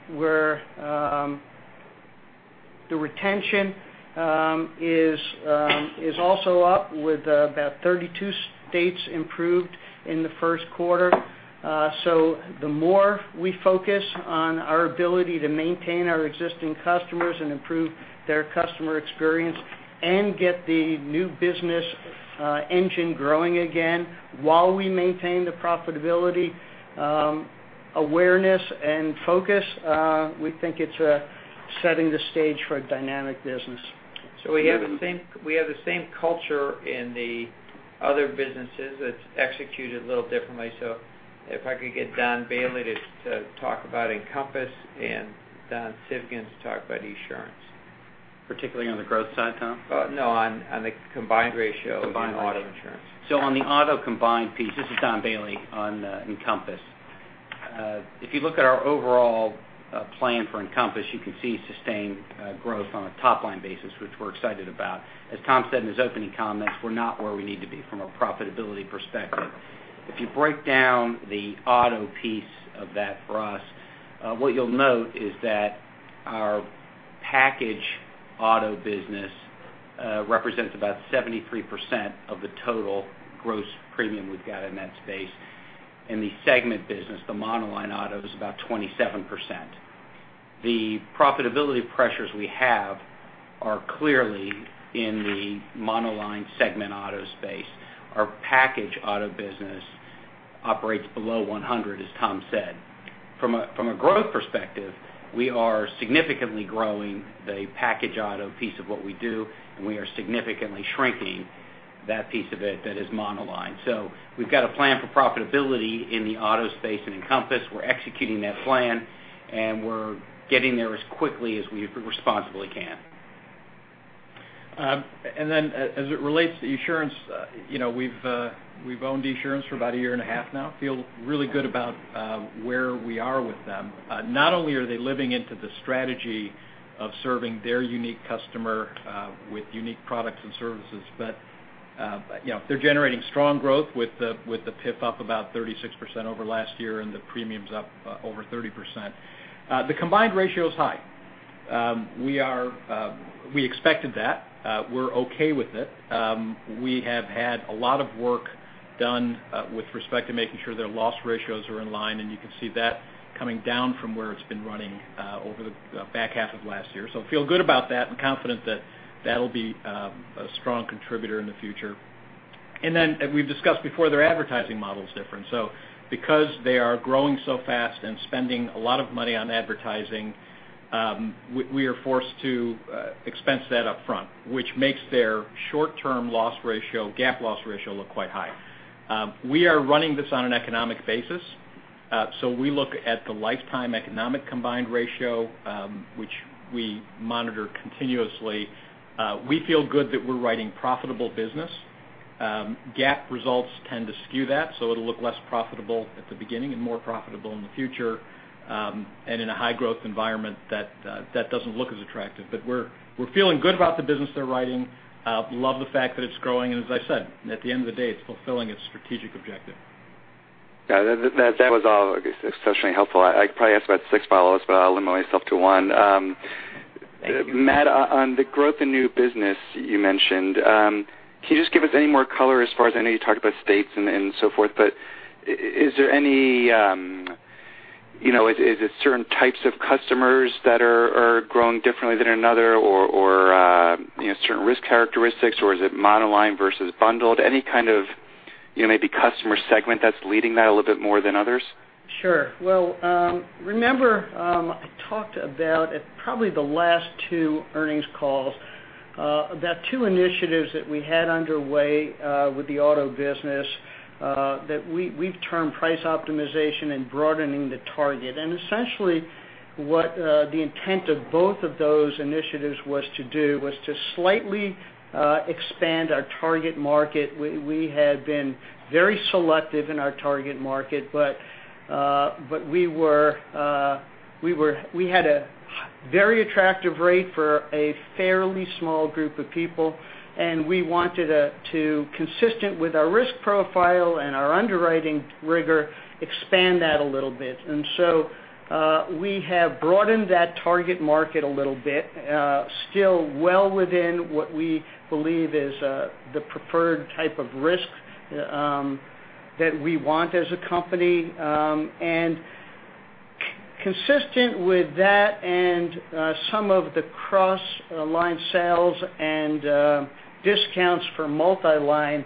Speaker 10: where the retention is also up with about 32 states improved in the first quarter. The more we focus on our ability to maintain our existing customers and improve their customer experience and get the new business engine growing again while we maintain the profitability, awareness and focus, we think it's setting the stage for a dynamic business.
Speaker 3: We have the same culture in the other businesses that's executed a little differently. If I could get Don Bailey to talk about Encompass and Don Civgin to talk about Esurance.
Speaker 14: Particularly on the growth side, Tom?
Speaker 3: No, on the combined ratio in auto insurance.
Speaker 14: Combined ratio. On the auto combined piece, This is Don Bailey on Encompass. If you look at our overall plan for Encompass, you can see sustained growth on a top-line basis, which we're excited about. As Tom said in his opening comments, we're not where we need to be from a profitability perspective. If you break down the auto piece of that for us, what you'll note is that our package auto business represents about 73% of the total gross premium we've got in that space. In the segment business, the monoline auto is about 27%. The profitability pressures we have are clearly in the monoline segment auto space. Our package auto business operates below 100, as Tom said. From a growth perspective, we are significantly growing the package auto piece of what we do, and we are significantly shrinking that piece of it that is monoline. We've got a plan for profitability in the auto space in Encompass. We're executing that plan, and we're getting there as quickly as we responsibly can.
Speaker 15: As it relates to Esurance, we've owned Esurance for about a year and a half now. Feel really good about where we are with them. Not only are they living into the strategy of serving their unique customer with unique products and services, but they're generating strong growth with the PIF up about 36% over last year and the premiums up over 30%. The combined ratio is high. We expected that. We're okay with it. We have had a lot of work done with respect to making sure their loss ratios are in line, and you can see that coming down from where it's been running over the back half of last year. Feel good about that and confident that that'll be a strong contributor in the future. As we've discussed before, their advertising model is different. Because they are growing so fast and spending a lot of money on advertising, we are forced to expense that up front, which makes their short term loss ratio, GAAP loss ratio look quite high. We are running this on an economic basis. We look at the lifetime economic combined ratio, which we monitor continuously. We feel good that we're writing profitable business. GAAP results tend to skew that, so it'll look less profitable at the beginning and more profitable in the future. In a high growth environment, that doesn't look as attractive. We're feeling good about the business they're writing. Love the fact that it's growing, and as I said, at the end of the day, it's fulfilling its strategic objective.
Speaker 13: That was all exceptionally helpful. I probably have about 6 follow-ups, but I'll limit myself to one.
Speaker 15: Thank you.
Speaker 13: Matt, on the growth in new business you mentioned, can you just give us any more color as far as, I know you talked about states and so forth, but is it certain types of customers that are growing differently than another, or certain risk characteristics, or is it monoline versus bundled? Any kind of maybe customer segment that's leading that a little bit more than others?
Speaker 10: Sure. Well, remember, I talked about at probably the last 2 earnings calls, about two initiatives that we had underway with the auto business, that we've termed Price Optimization and Broadening the Target. Essentially, what the intent of both of those initiatives was to do was to slightly expand our target market. We had been very selective in our target market, but we had a very attractive rate for a fairly small group of people, and we wanted to, consistent with our risk profile and our underwriting rigor, expand that a little bit. We have broadened that target market a little bit, still well within what we believe is the preferred type of risk that we want as a company. Consistent with that and some of the cross-line sales and discounts for multi-line,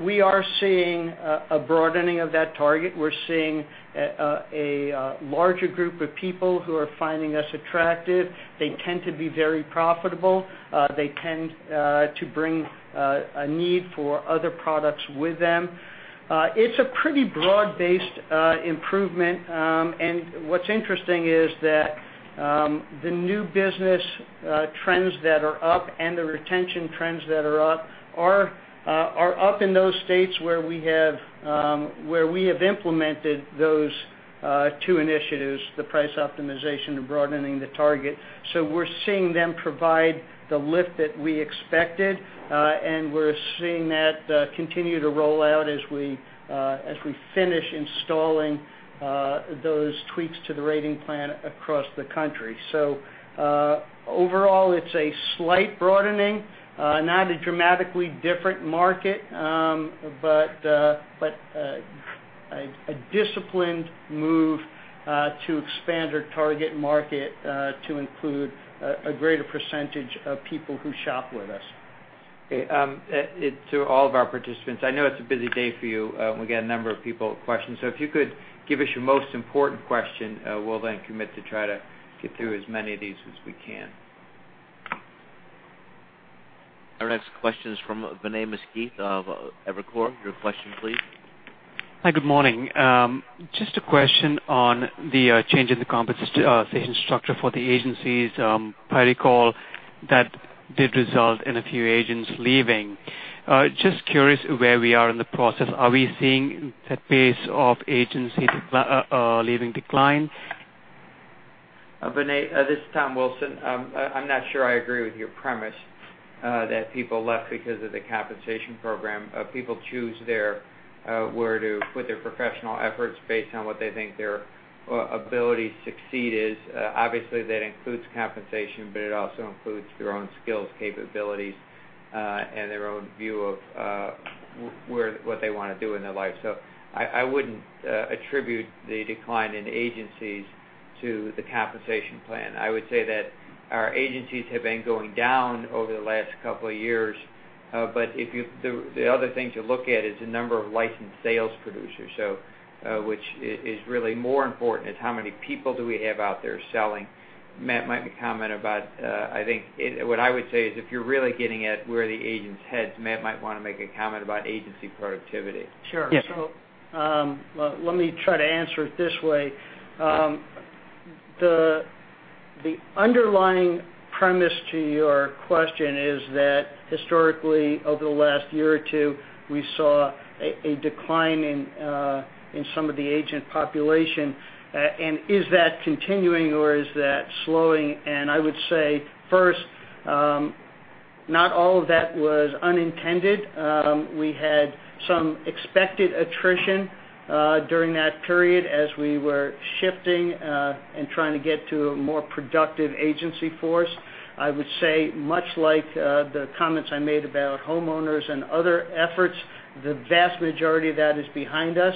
Speaker 10: we are seeing a broadening of that target. We're seeing a larger group of people who are finding us attractive. They tend to be very profitable. They tend to bring a need for other products with them. It's a pretty broad-based improvement, and what's interesting is that the new business trends that are up and the retention trends that are up are up in those states where we have implemented those 2 initiatives, the Price Optimization and Broadening the Target. We're seeing them provide the lift that we expected, and we're seeing that continue to roll out as we finish installing those tweaks to the rating plan across the country. Overall, it's a slight broadening, not a dramatically different market, but a disciplined move to expand our target market to include a greater percentage of people who shop with us.
Speaker 3: Okay. To all of our participants, I know it's a busy day for you. We got a number of people with questions, if you could give us your most important question, we'll then commit to try to get through as many of these as we can.
Speaker 1: Our next question is from Vinay Misquith of Evercore. Your question please.
Speaker 16: Hi, good morning. Just a question on the change in the compensation structure for the agencies. If I recall, that did result in a few agents leaving. Just curious where we are in the process. Are we seeing that pace of agency leaving decline?
Speaker 3: Vinay, this is Tom Wilson. I'm not sure I agree with your premise that people left because of the compensation program. People choose where to put their professional efforts based on what they think their ability to succeed is. Obviously, that includes compensation, but it also includes their own skills, capabilities, and their own view of what they want to do in their life. I wouldn't attribute the decline in agencies to the compensation plan. I would say that our agencies have been going down over the last couple of years. The other thing to look at is the number of licensed sales producers, which is really more important, is how many people do we have out there selling. Matt might comment about, I think what I would say is if you're really getting at where the agents head, Matt might want to make a comment about agency productivity.
Speaker 10: Sure.
Speaker 16: Yes.
Speaker 10: Let me try to answer it this way. The underlying premise to your question is that historically, over the last year or two, we saw a decline in some of the agent population, and is that continuing or is that slowing? I would say, first, not all of that was unintended. We had some expected attrition during that period as we were shifting and trying to get to a more productive agency force. I would say, much like the comments I made about homeowners and other efforts, the vast majority of that is behind us.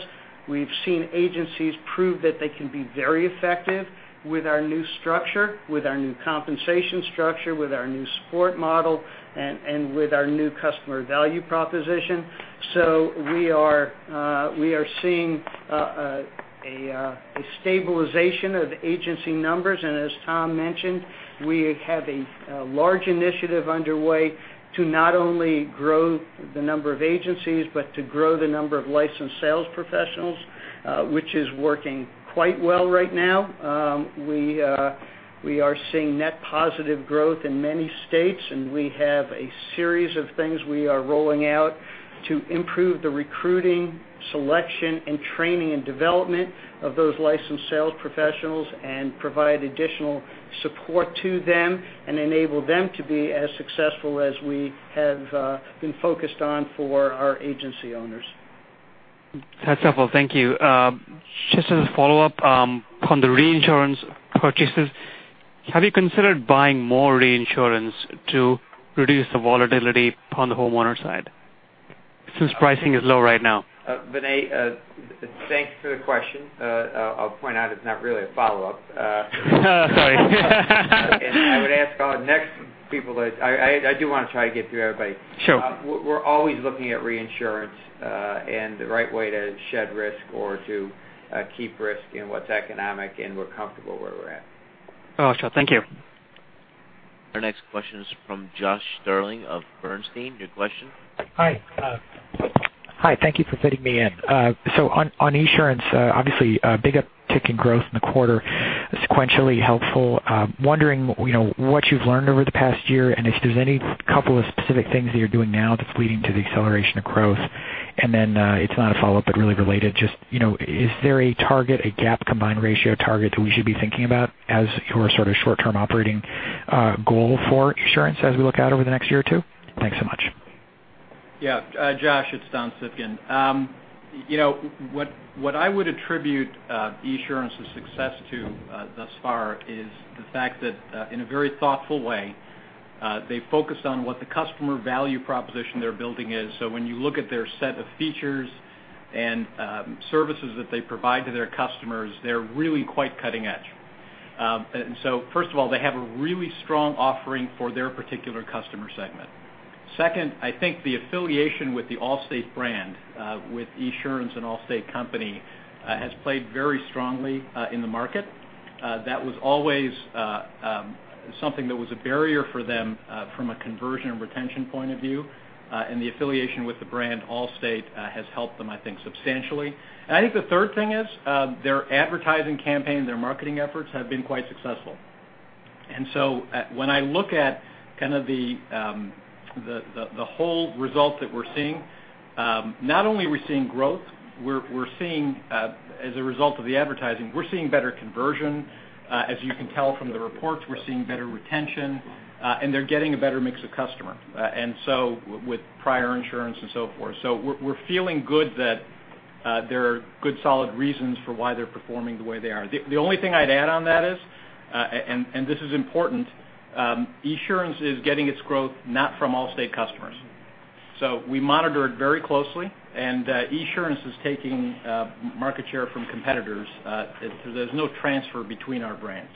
Speaker 10: We've seen agencies prove that they can be very effective with our new structure, with our new compensation structure, with our new support model, and with our new customer value proposition. We are seeing a stabilization of agency numbers, and as Tom mentioned, we have a large initiative underway to not only grow the number of agencies, but to grow the number of licensed sales professionals, which is working quite well right now. We are seeing net positive growth in many states, and we have a series of things we are rolling out to improve the recruiting, selection, and training, and development of those licensed sales professionals and provide additional support to them and enable them to be as successful as we have been focused on for our agency owners.
Speaker 16: That's helpful. Thank you. Just as a follow-up on the reinsurance purchases, have you considered buying more reinsurance to reduce the volatility on the homeowner side? Since pricing is low right now.
Speaker 3: Vinay, thanks for the question. I'll point out it's not really a follow-up.
Speaker 16: Sorry.
Speaker 3: I would ask our next people that I do want to try to get through everybody.
Speaker 16: Sure.
Speaker 3: We're always looking at reinsurance, and the right way to shed risk or to keep risk and what's economic, and we're comfortable where we're at.
Speaker 16: Awesome. Thank you.
Speaker 1: Our next question is from Josh Sterling of Bernstein. Your question?
Speaker 17: Hi. Thank you for fitting me in. On Esurance, obviously, a big uptick in growth in the quarter, sequentially helpful. Wondering what you've learned over the past year, and if there's any couple of specific things that you're doing now that's leading to the acceleration of growth. Then, it's not a follow-up, but really related, just, is there a target, a GAAP combined ratio target that we should be thinking about as your sort of short-term operating goal for Esurance as we look out over the next year or two? Thanks so much.
Speaker 15: Yeah. Josh, it's Don Civgin. What I would attribute Esurance's success to thus far is the fact that, in a very thoughtful way, they focused on what the customer value proposition they're building is. When you look at their set of features and services that they provide to their customers, they're really quite cutting edge. First of all, they have a really strong offering for their particular customer segment. Second, I think the affiliation with the Allstate brand, with Esurance and Allstate Company, has played very strongly in the market. That was always something that was a barrier for them from a conversion and retention point of view. The affiliation with the brand Allstate has helped them, I think, substantially. I think the third thing is their advertising campaign, their marketing efforts have been quite successful. When I look at kind of the whole result that we're seeing, not only are we seeing growth, we're seeing, as a result of the advertising, we're seeing better conversion. As you can tell from the reports, we're seeing better retention, and they're getting a better mix of customer with prior insurance and so forth. We're feeling good that there are good, solid reasons for why they're performing the way they are. The only thing I'd add on that is, and this is important, Esurance is getting its growth not from Allstate customers. We monitor it very closely, and Esurance is taking market share from competitors. There's no transfer between our brands.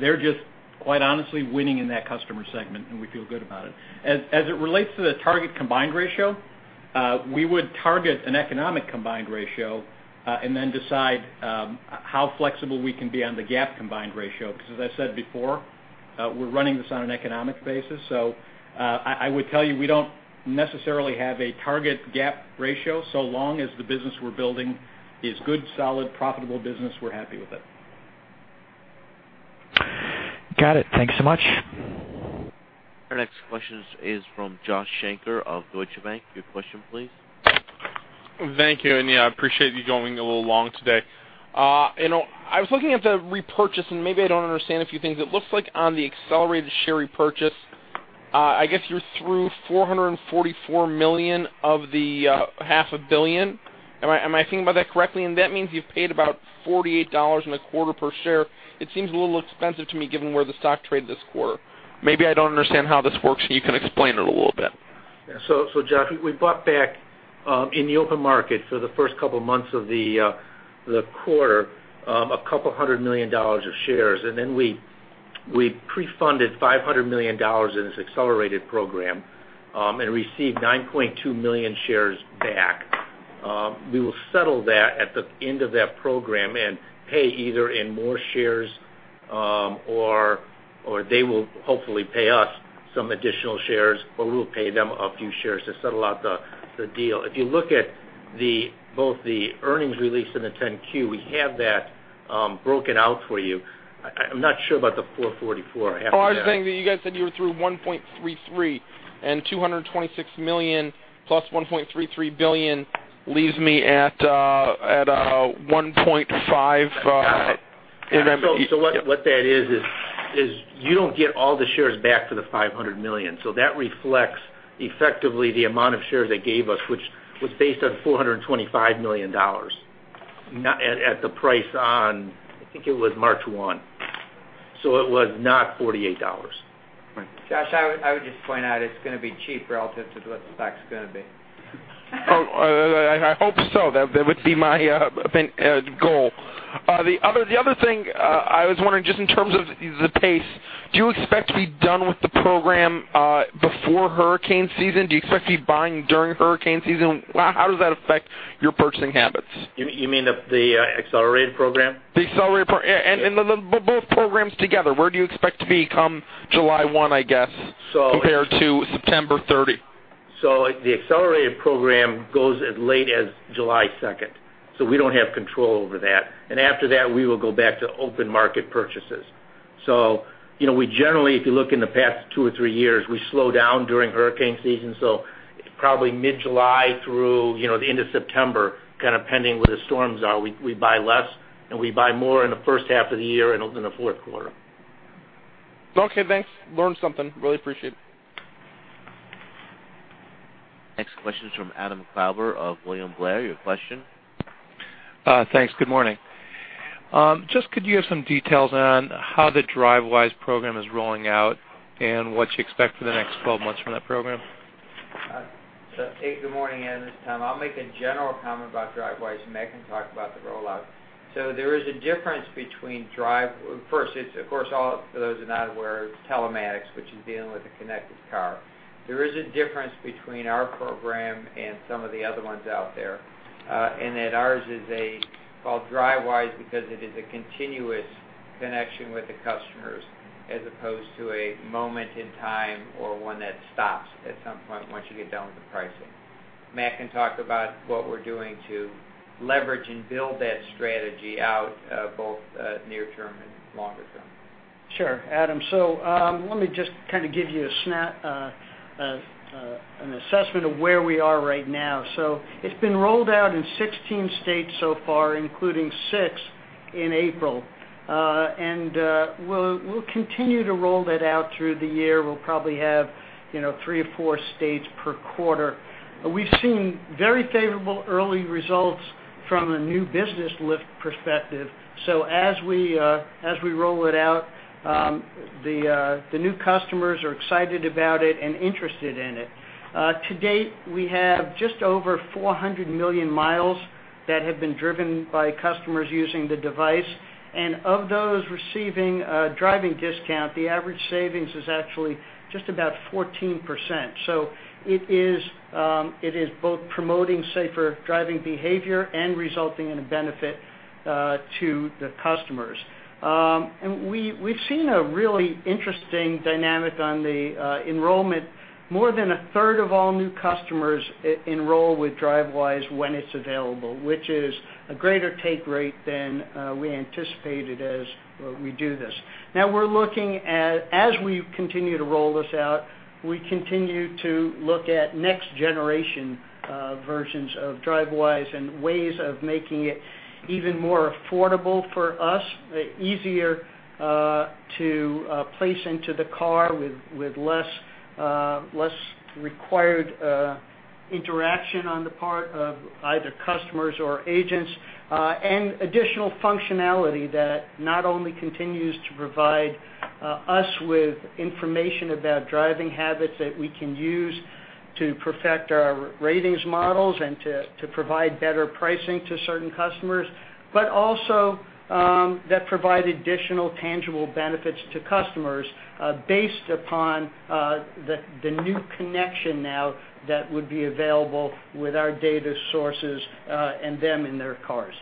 Speaker 15: They're just, quite honestly, winning in that customer segment, and we feel good about it. As it relates to the target combined ratio, we would target an economic combined ratio, then decide how flexible we can be on the GAAP combined ratio, because as I said before, we're running this on an economic basis. I would tell you, we don't necessarily have a target GAAP ratio. Long as the business we're building is good, solid, profitable business, we're happy with it.
Speaker 17: Got it. Thanks so much.
Speaker 1: Our next question is from Joshua Shanker of Deutsche Bank. Your question, please.
Speaker 18: Thank you. Yeah, I appreciate you going a little long today. I was looking at the repurchase, and maybe I don't understand a few things. It looks like on the accelerated share repurchase, I guess you're through $444 million of the half a billion. Am I thinking about that correctly? That means you've paid about $48 and a quarter per share. It seems a little expensive to me given where the stock traded this quarter. Maybe I don't understand how this works, and you can explain it a little bit.
Speaker 15: Yeah. Josh, we bought back, in the open market for the first couple of months of the quarter, a couple hundred million dollars of shares. Then we pre-funded $500 million in this accelerated program, and received 9.2 million shares back. We will settle that at the end of that program and pay either in more shares, or they will hopefully pay us some additional shares, or we'll pay them a few shares to settle out the deal. If you look at both the earnings release and the 10-Q, we have that broken out for you. I'm not sure about the 444.
Speaker 18: Oh, I was saying that you guys said you were through 1.33 and $226 million plus $1.33 billion leaves me at $1.5.
Speaker 15: What that is, you don't get all the shares back for the $500 million. That reflects effectively the amount of shares they gave us, which was based on $425 million. At the price on, I think it was March 1. It was not $48.
Speaker 3: Josh, I would just point out it's going to be cheap relative to what the stock's going to be.
Speaker 18: Oh, I hope so. That would be my goal. The other thing I was wondering, just in terms of the pace, do you expect to be done with the program before hurricane season? Do you expect to be buying during hurricane season? How does that affect your purchasing habits?
Speaker 15: You mean the accelerated program?
Speaker 18: The accelerated program. Yeah, both programs together. Where do you expect to be come July 1, I guess-
Speaker 15: So-
Speaker 18: compared to September 30?
Speaker 15: The accelerated program goes as late as July 2. We don't have control over that. After that, we will go back to open market purchases. We generally, if you look in the past two or three years, we slow down during hurricane season. It's probably mid-July through the end of September, kind of pending where the storms are, we buy less, and we buy more in the first half of the year and in the fourth quarter.
Speaker 18: Okay, thanks. Learned something. Really appreciate it.
Speaker 1: Next question is from Adam Klauber of William Blair. Your question?
Speaker 19: Thanks. Good morning. Just could you give some details on how the Drivewise program is rolling out and what you expect for the next 12 months from that program?
Speaker 3: Good morning, Adam. This is Tom. I'll make a general comment about Drivewise, and Matt can talk about the rollout. First, it's of course, for those who are not aware, it's telematics, which is dealing with a connected car. There is a difference between our program and some of the other ones out there, in that ours is called Drivewise because it is a continuous connection with the customers as opposed to a moment in time or one that stops at some point once you get done with the pricing. Matt can talk about what we're doing to leverage and build that strategy out, both near term and longer term.
Speaker 10: Sure, Adam. Let me just kind of give you an assessment of where we are right now. It's been rolled out in 16 states so far, including six in April. We'll continue to roll that out through the year. We'll probably have three or four states per quarter. We've seen very favorable early results from a new business lift perspective. As we roll it out, the new customers are excited about it and interested in it. To date, we have just over 400 million miles that have been driven by customers using the device. Of those receiving a driving discount, the average savings is actually just about 14%. It is both promoting safer driving behavior and resulting in a benefit to the customers. We've seen a really interesting dynamic on the enrollment. More than a third of all new customers enroll with Drivewise when it's available, which is a greater take rate than we anticipated as we do this. We're looking at as we continue to roll this out, we continue to look at next generation versions of Drivewise and ways of making it even more affordable for us, easier to place into the car with less required interaction on the part of either customers or agents, and additional functionality that not only continues to provide us with information about driving habits that we can use to perfect our ratings models and to provide better pricing to certain customers, but also that provide additional tangible benefits to customers based upon the new connection now that would be available with our data sources and them in their cars.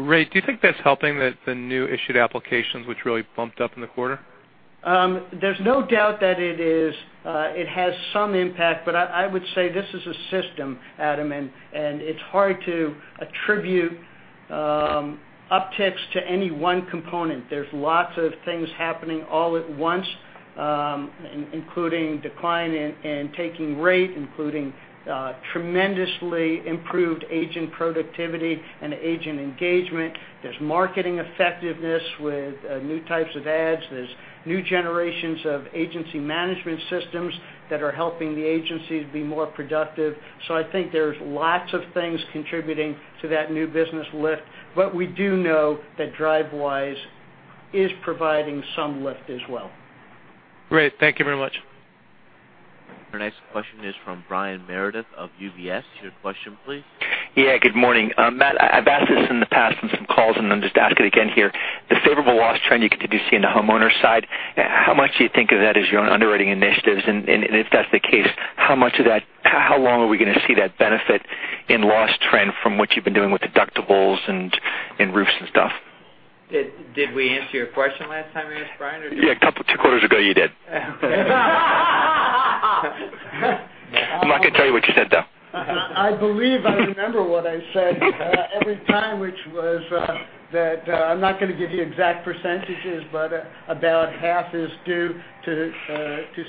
Speaker 19: Matt, do you think that's helping the new issued applications which really bumped up in the quarter?
Speaker 10: There's no doubt that it has some impact, but I would say this is a system, Adam, it's hard to attribute upticks to any one component. There's lots of things happening all at once, including decline in take rate, including tremendously improved agent productivity and agent engagement. There's marketing effectiveness with new types of ads. There's new generations of agency management systems that are helping the agencies be more productive. I think there's lots of things contributing to that new business lift, but we do know that Drivewise is providing some lift as well.
Speaker 19: Great. Thank you very much.
Speaker 1: Our next question is from Brian Meredith of UBS. Your question, please.
Speaker 20: Yeah, good morning. Matt, I've asked this in the past on some calls, and I'll just ask it again here. The favorable loss trend you continue to see in the homeowners side, how much do you think of that as your own underwriting initiatives? If that's the case, how long are we going to see that benefit in loss trend from what you've been doing with deductibles and roofs and stuff?
Speaker 3: Did we answer your question last time you asked, Brian?
Speaker 20: Yeah, two quarters ago you did. I'm not going to tell you what you said, though.
Speaker 10: I believe I remember what I said every time, which was that I'm not going to give you exact percentages, but about half is due to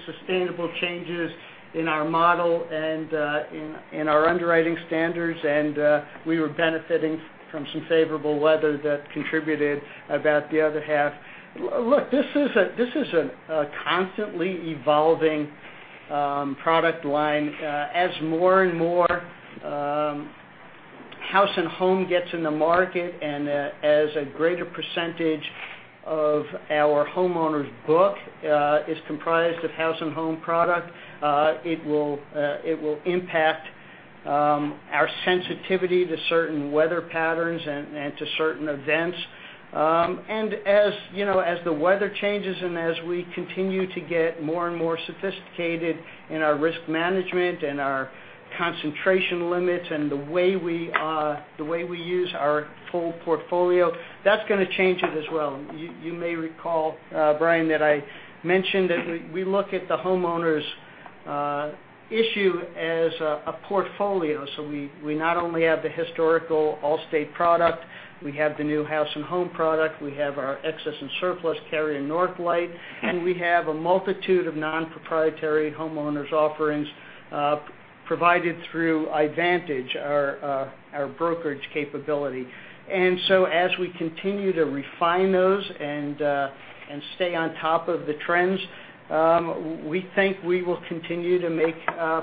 Speaker 10: sustainable changes in our model and in our underwriting standards, and we were benefiting from some favorable weather that contributed about the other half. Look, this is a constantly evolving product line. As more and more House and Home gets in the market and as a greater percentage of our homeowners' book is comprised of House and Home product, it will impact our sensitivity to certain weather patterns and to certain events. As the weather changes and as we continue to get more and more sophisticated in our risk management and our concentration limits and the way we use our full portfolio, that's going to change it as well. You may recall, Brian, that I mentioned that we look at the homeowners' issue as a portfolio. We not only have the historical Allstate product, we have the new House and Home product, we have our excess and surplus carrier, North Light, and we have a multitude of non-proprietary homeowners' offerings provided through Ivantage, our brokerage capability. As we continue to refine those and stay on top of the trends, we think we will continue to make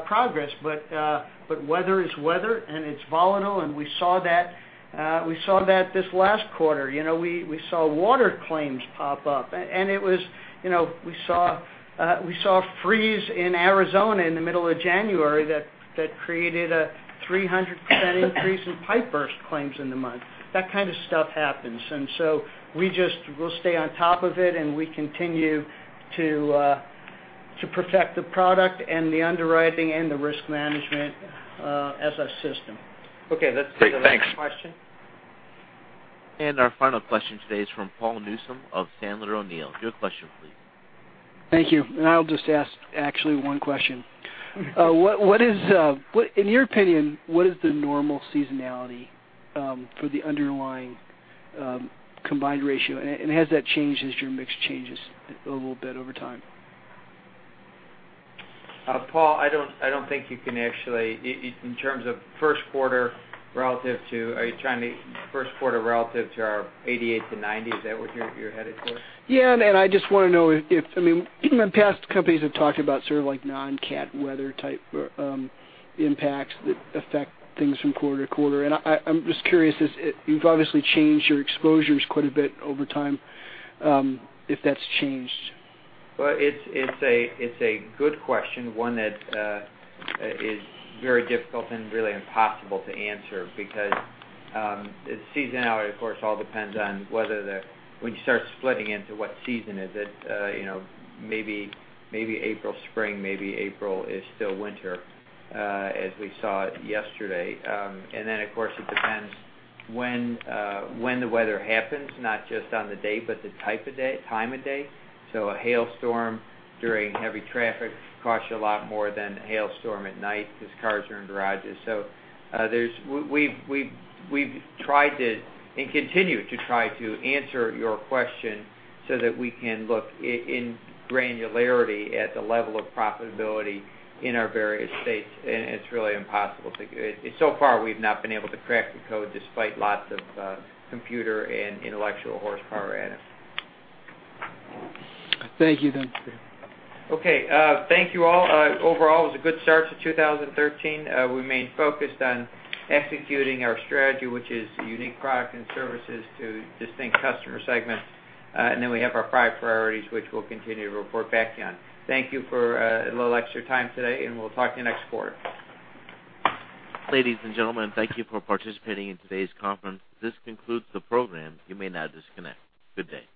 Speaker 10: progress. Weather is weather, and it's volatile, and we saw that this last quarter. We saw water claims pop up, and we saw a freeze in Arizona in the middle of January that created a 300% increase in pipe burst claims in the month. That kind of stuff happens, we'll stay on top of it, and we continue to protect the product and the underwriting and the risk management as a system.
Speaker 3: Okay, let's take the next question.
Speaker 1: Our final question today is from Paul Newsome of Sandler O'Neill. Your question, please.
Speaker 21: Thank you. I'll just ask actually one question.
Speaker 3: Okay.
Speaker 21: In your opinion, what is the normal seasonality for the underlying combined ratio? And has that changed as your mix changes a little bit over time?
Speaker 3: Paul, I don't think you can actually, in terms of first quarter relative to our '88 to '90, is that what you're headed towards?
Speaker 21: Yeah, I just want to know if, past companies have talked about sort of non-cat weather type impacts that affect things from quarter to quarter. I'm just curious, you've obviously changed your exposures quite a bit over time, if that's changed.
Speaker 3: Well, it's a good question, one that is very difficult and really impossible to answer because seasonality, of course, all depends on when you start splitting into what season is it, maybe April, spring, maybe April is still winter, as we saw yesterday. Then of course it depends when the weather happens, not just on the day, but the time of day. A hailstorm during heavy traffic costs you a lot more than a hailstorm at night because cars are in garages. We've tried to, and continue to try to answer your question so that we can look in granularity at the level of profitability in our various states, and it's really impossible to. So far, we've not been able to crack the code despite lots of computer and intellectual horsepower at it.
Speaker 21: Thank you, Tom.
Speaker 3: Okay. Thank you, all. Overall, it was a good start to 2013. We remain focused on executing our strategy, which is unique product and services to distinct customer segments. We have our five priorities, which we'll continue to report back on. Thank you for a little extra time today, and we'll talk to you next quarter.
Speaker 1: Ladies and gentlemen, thank you for participating in today's conference. This concludes the program. You may now disconnect. Good day.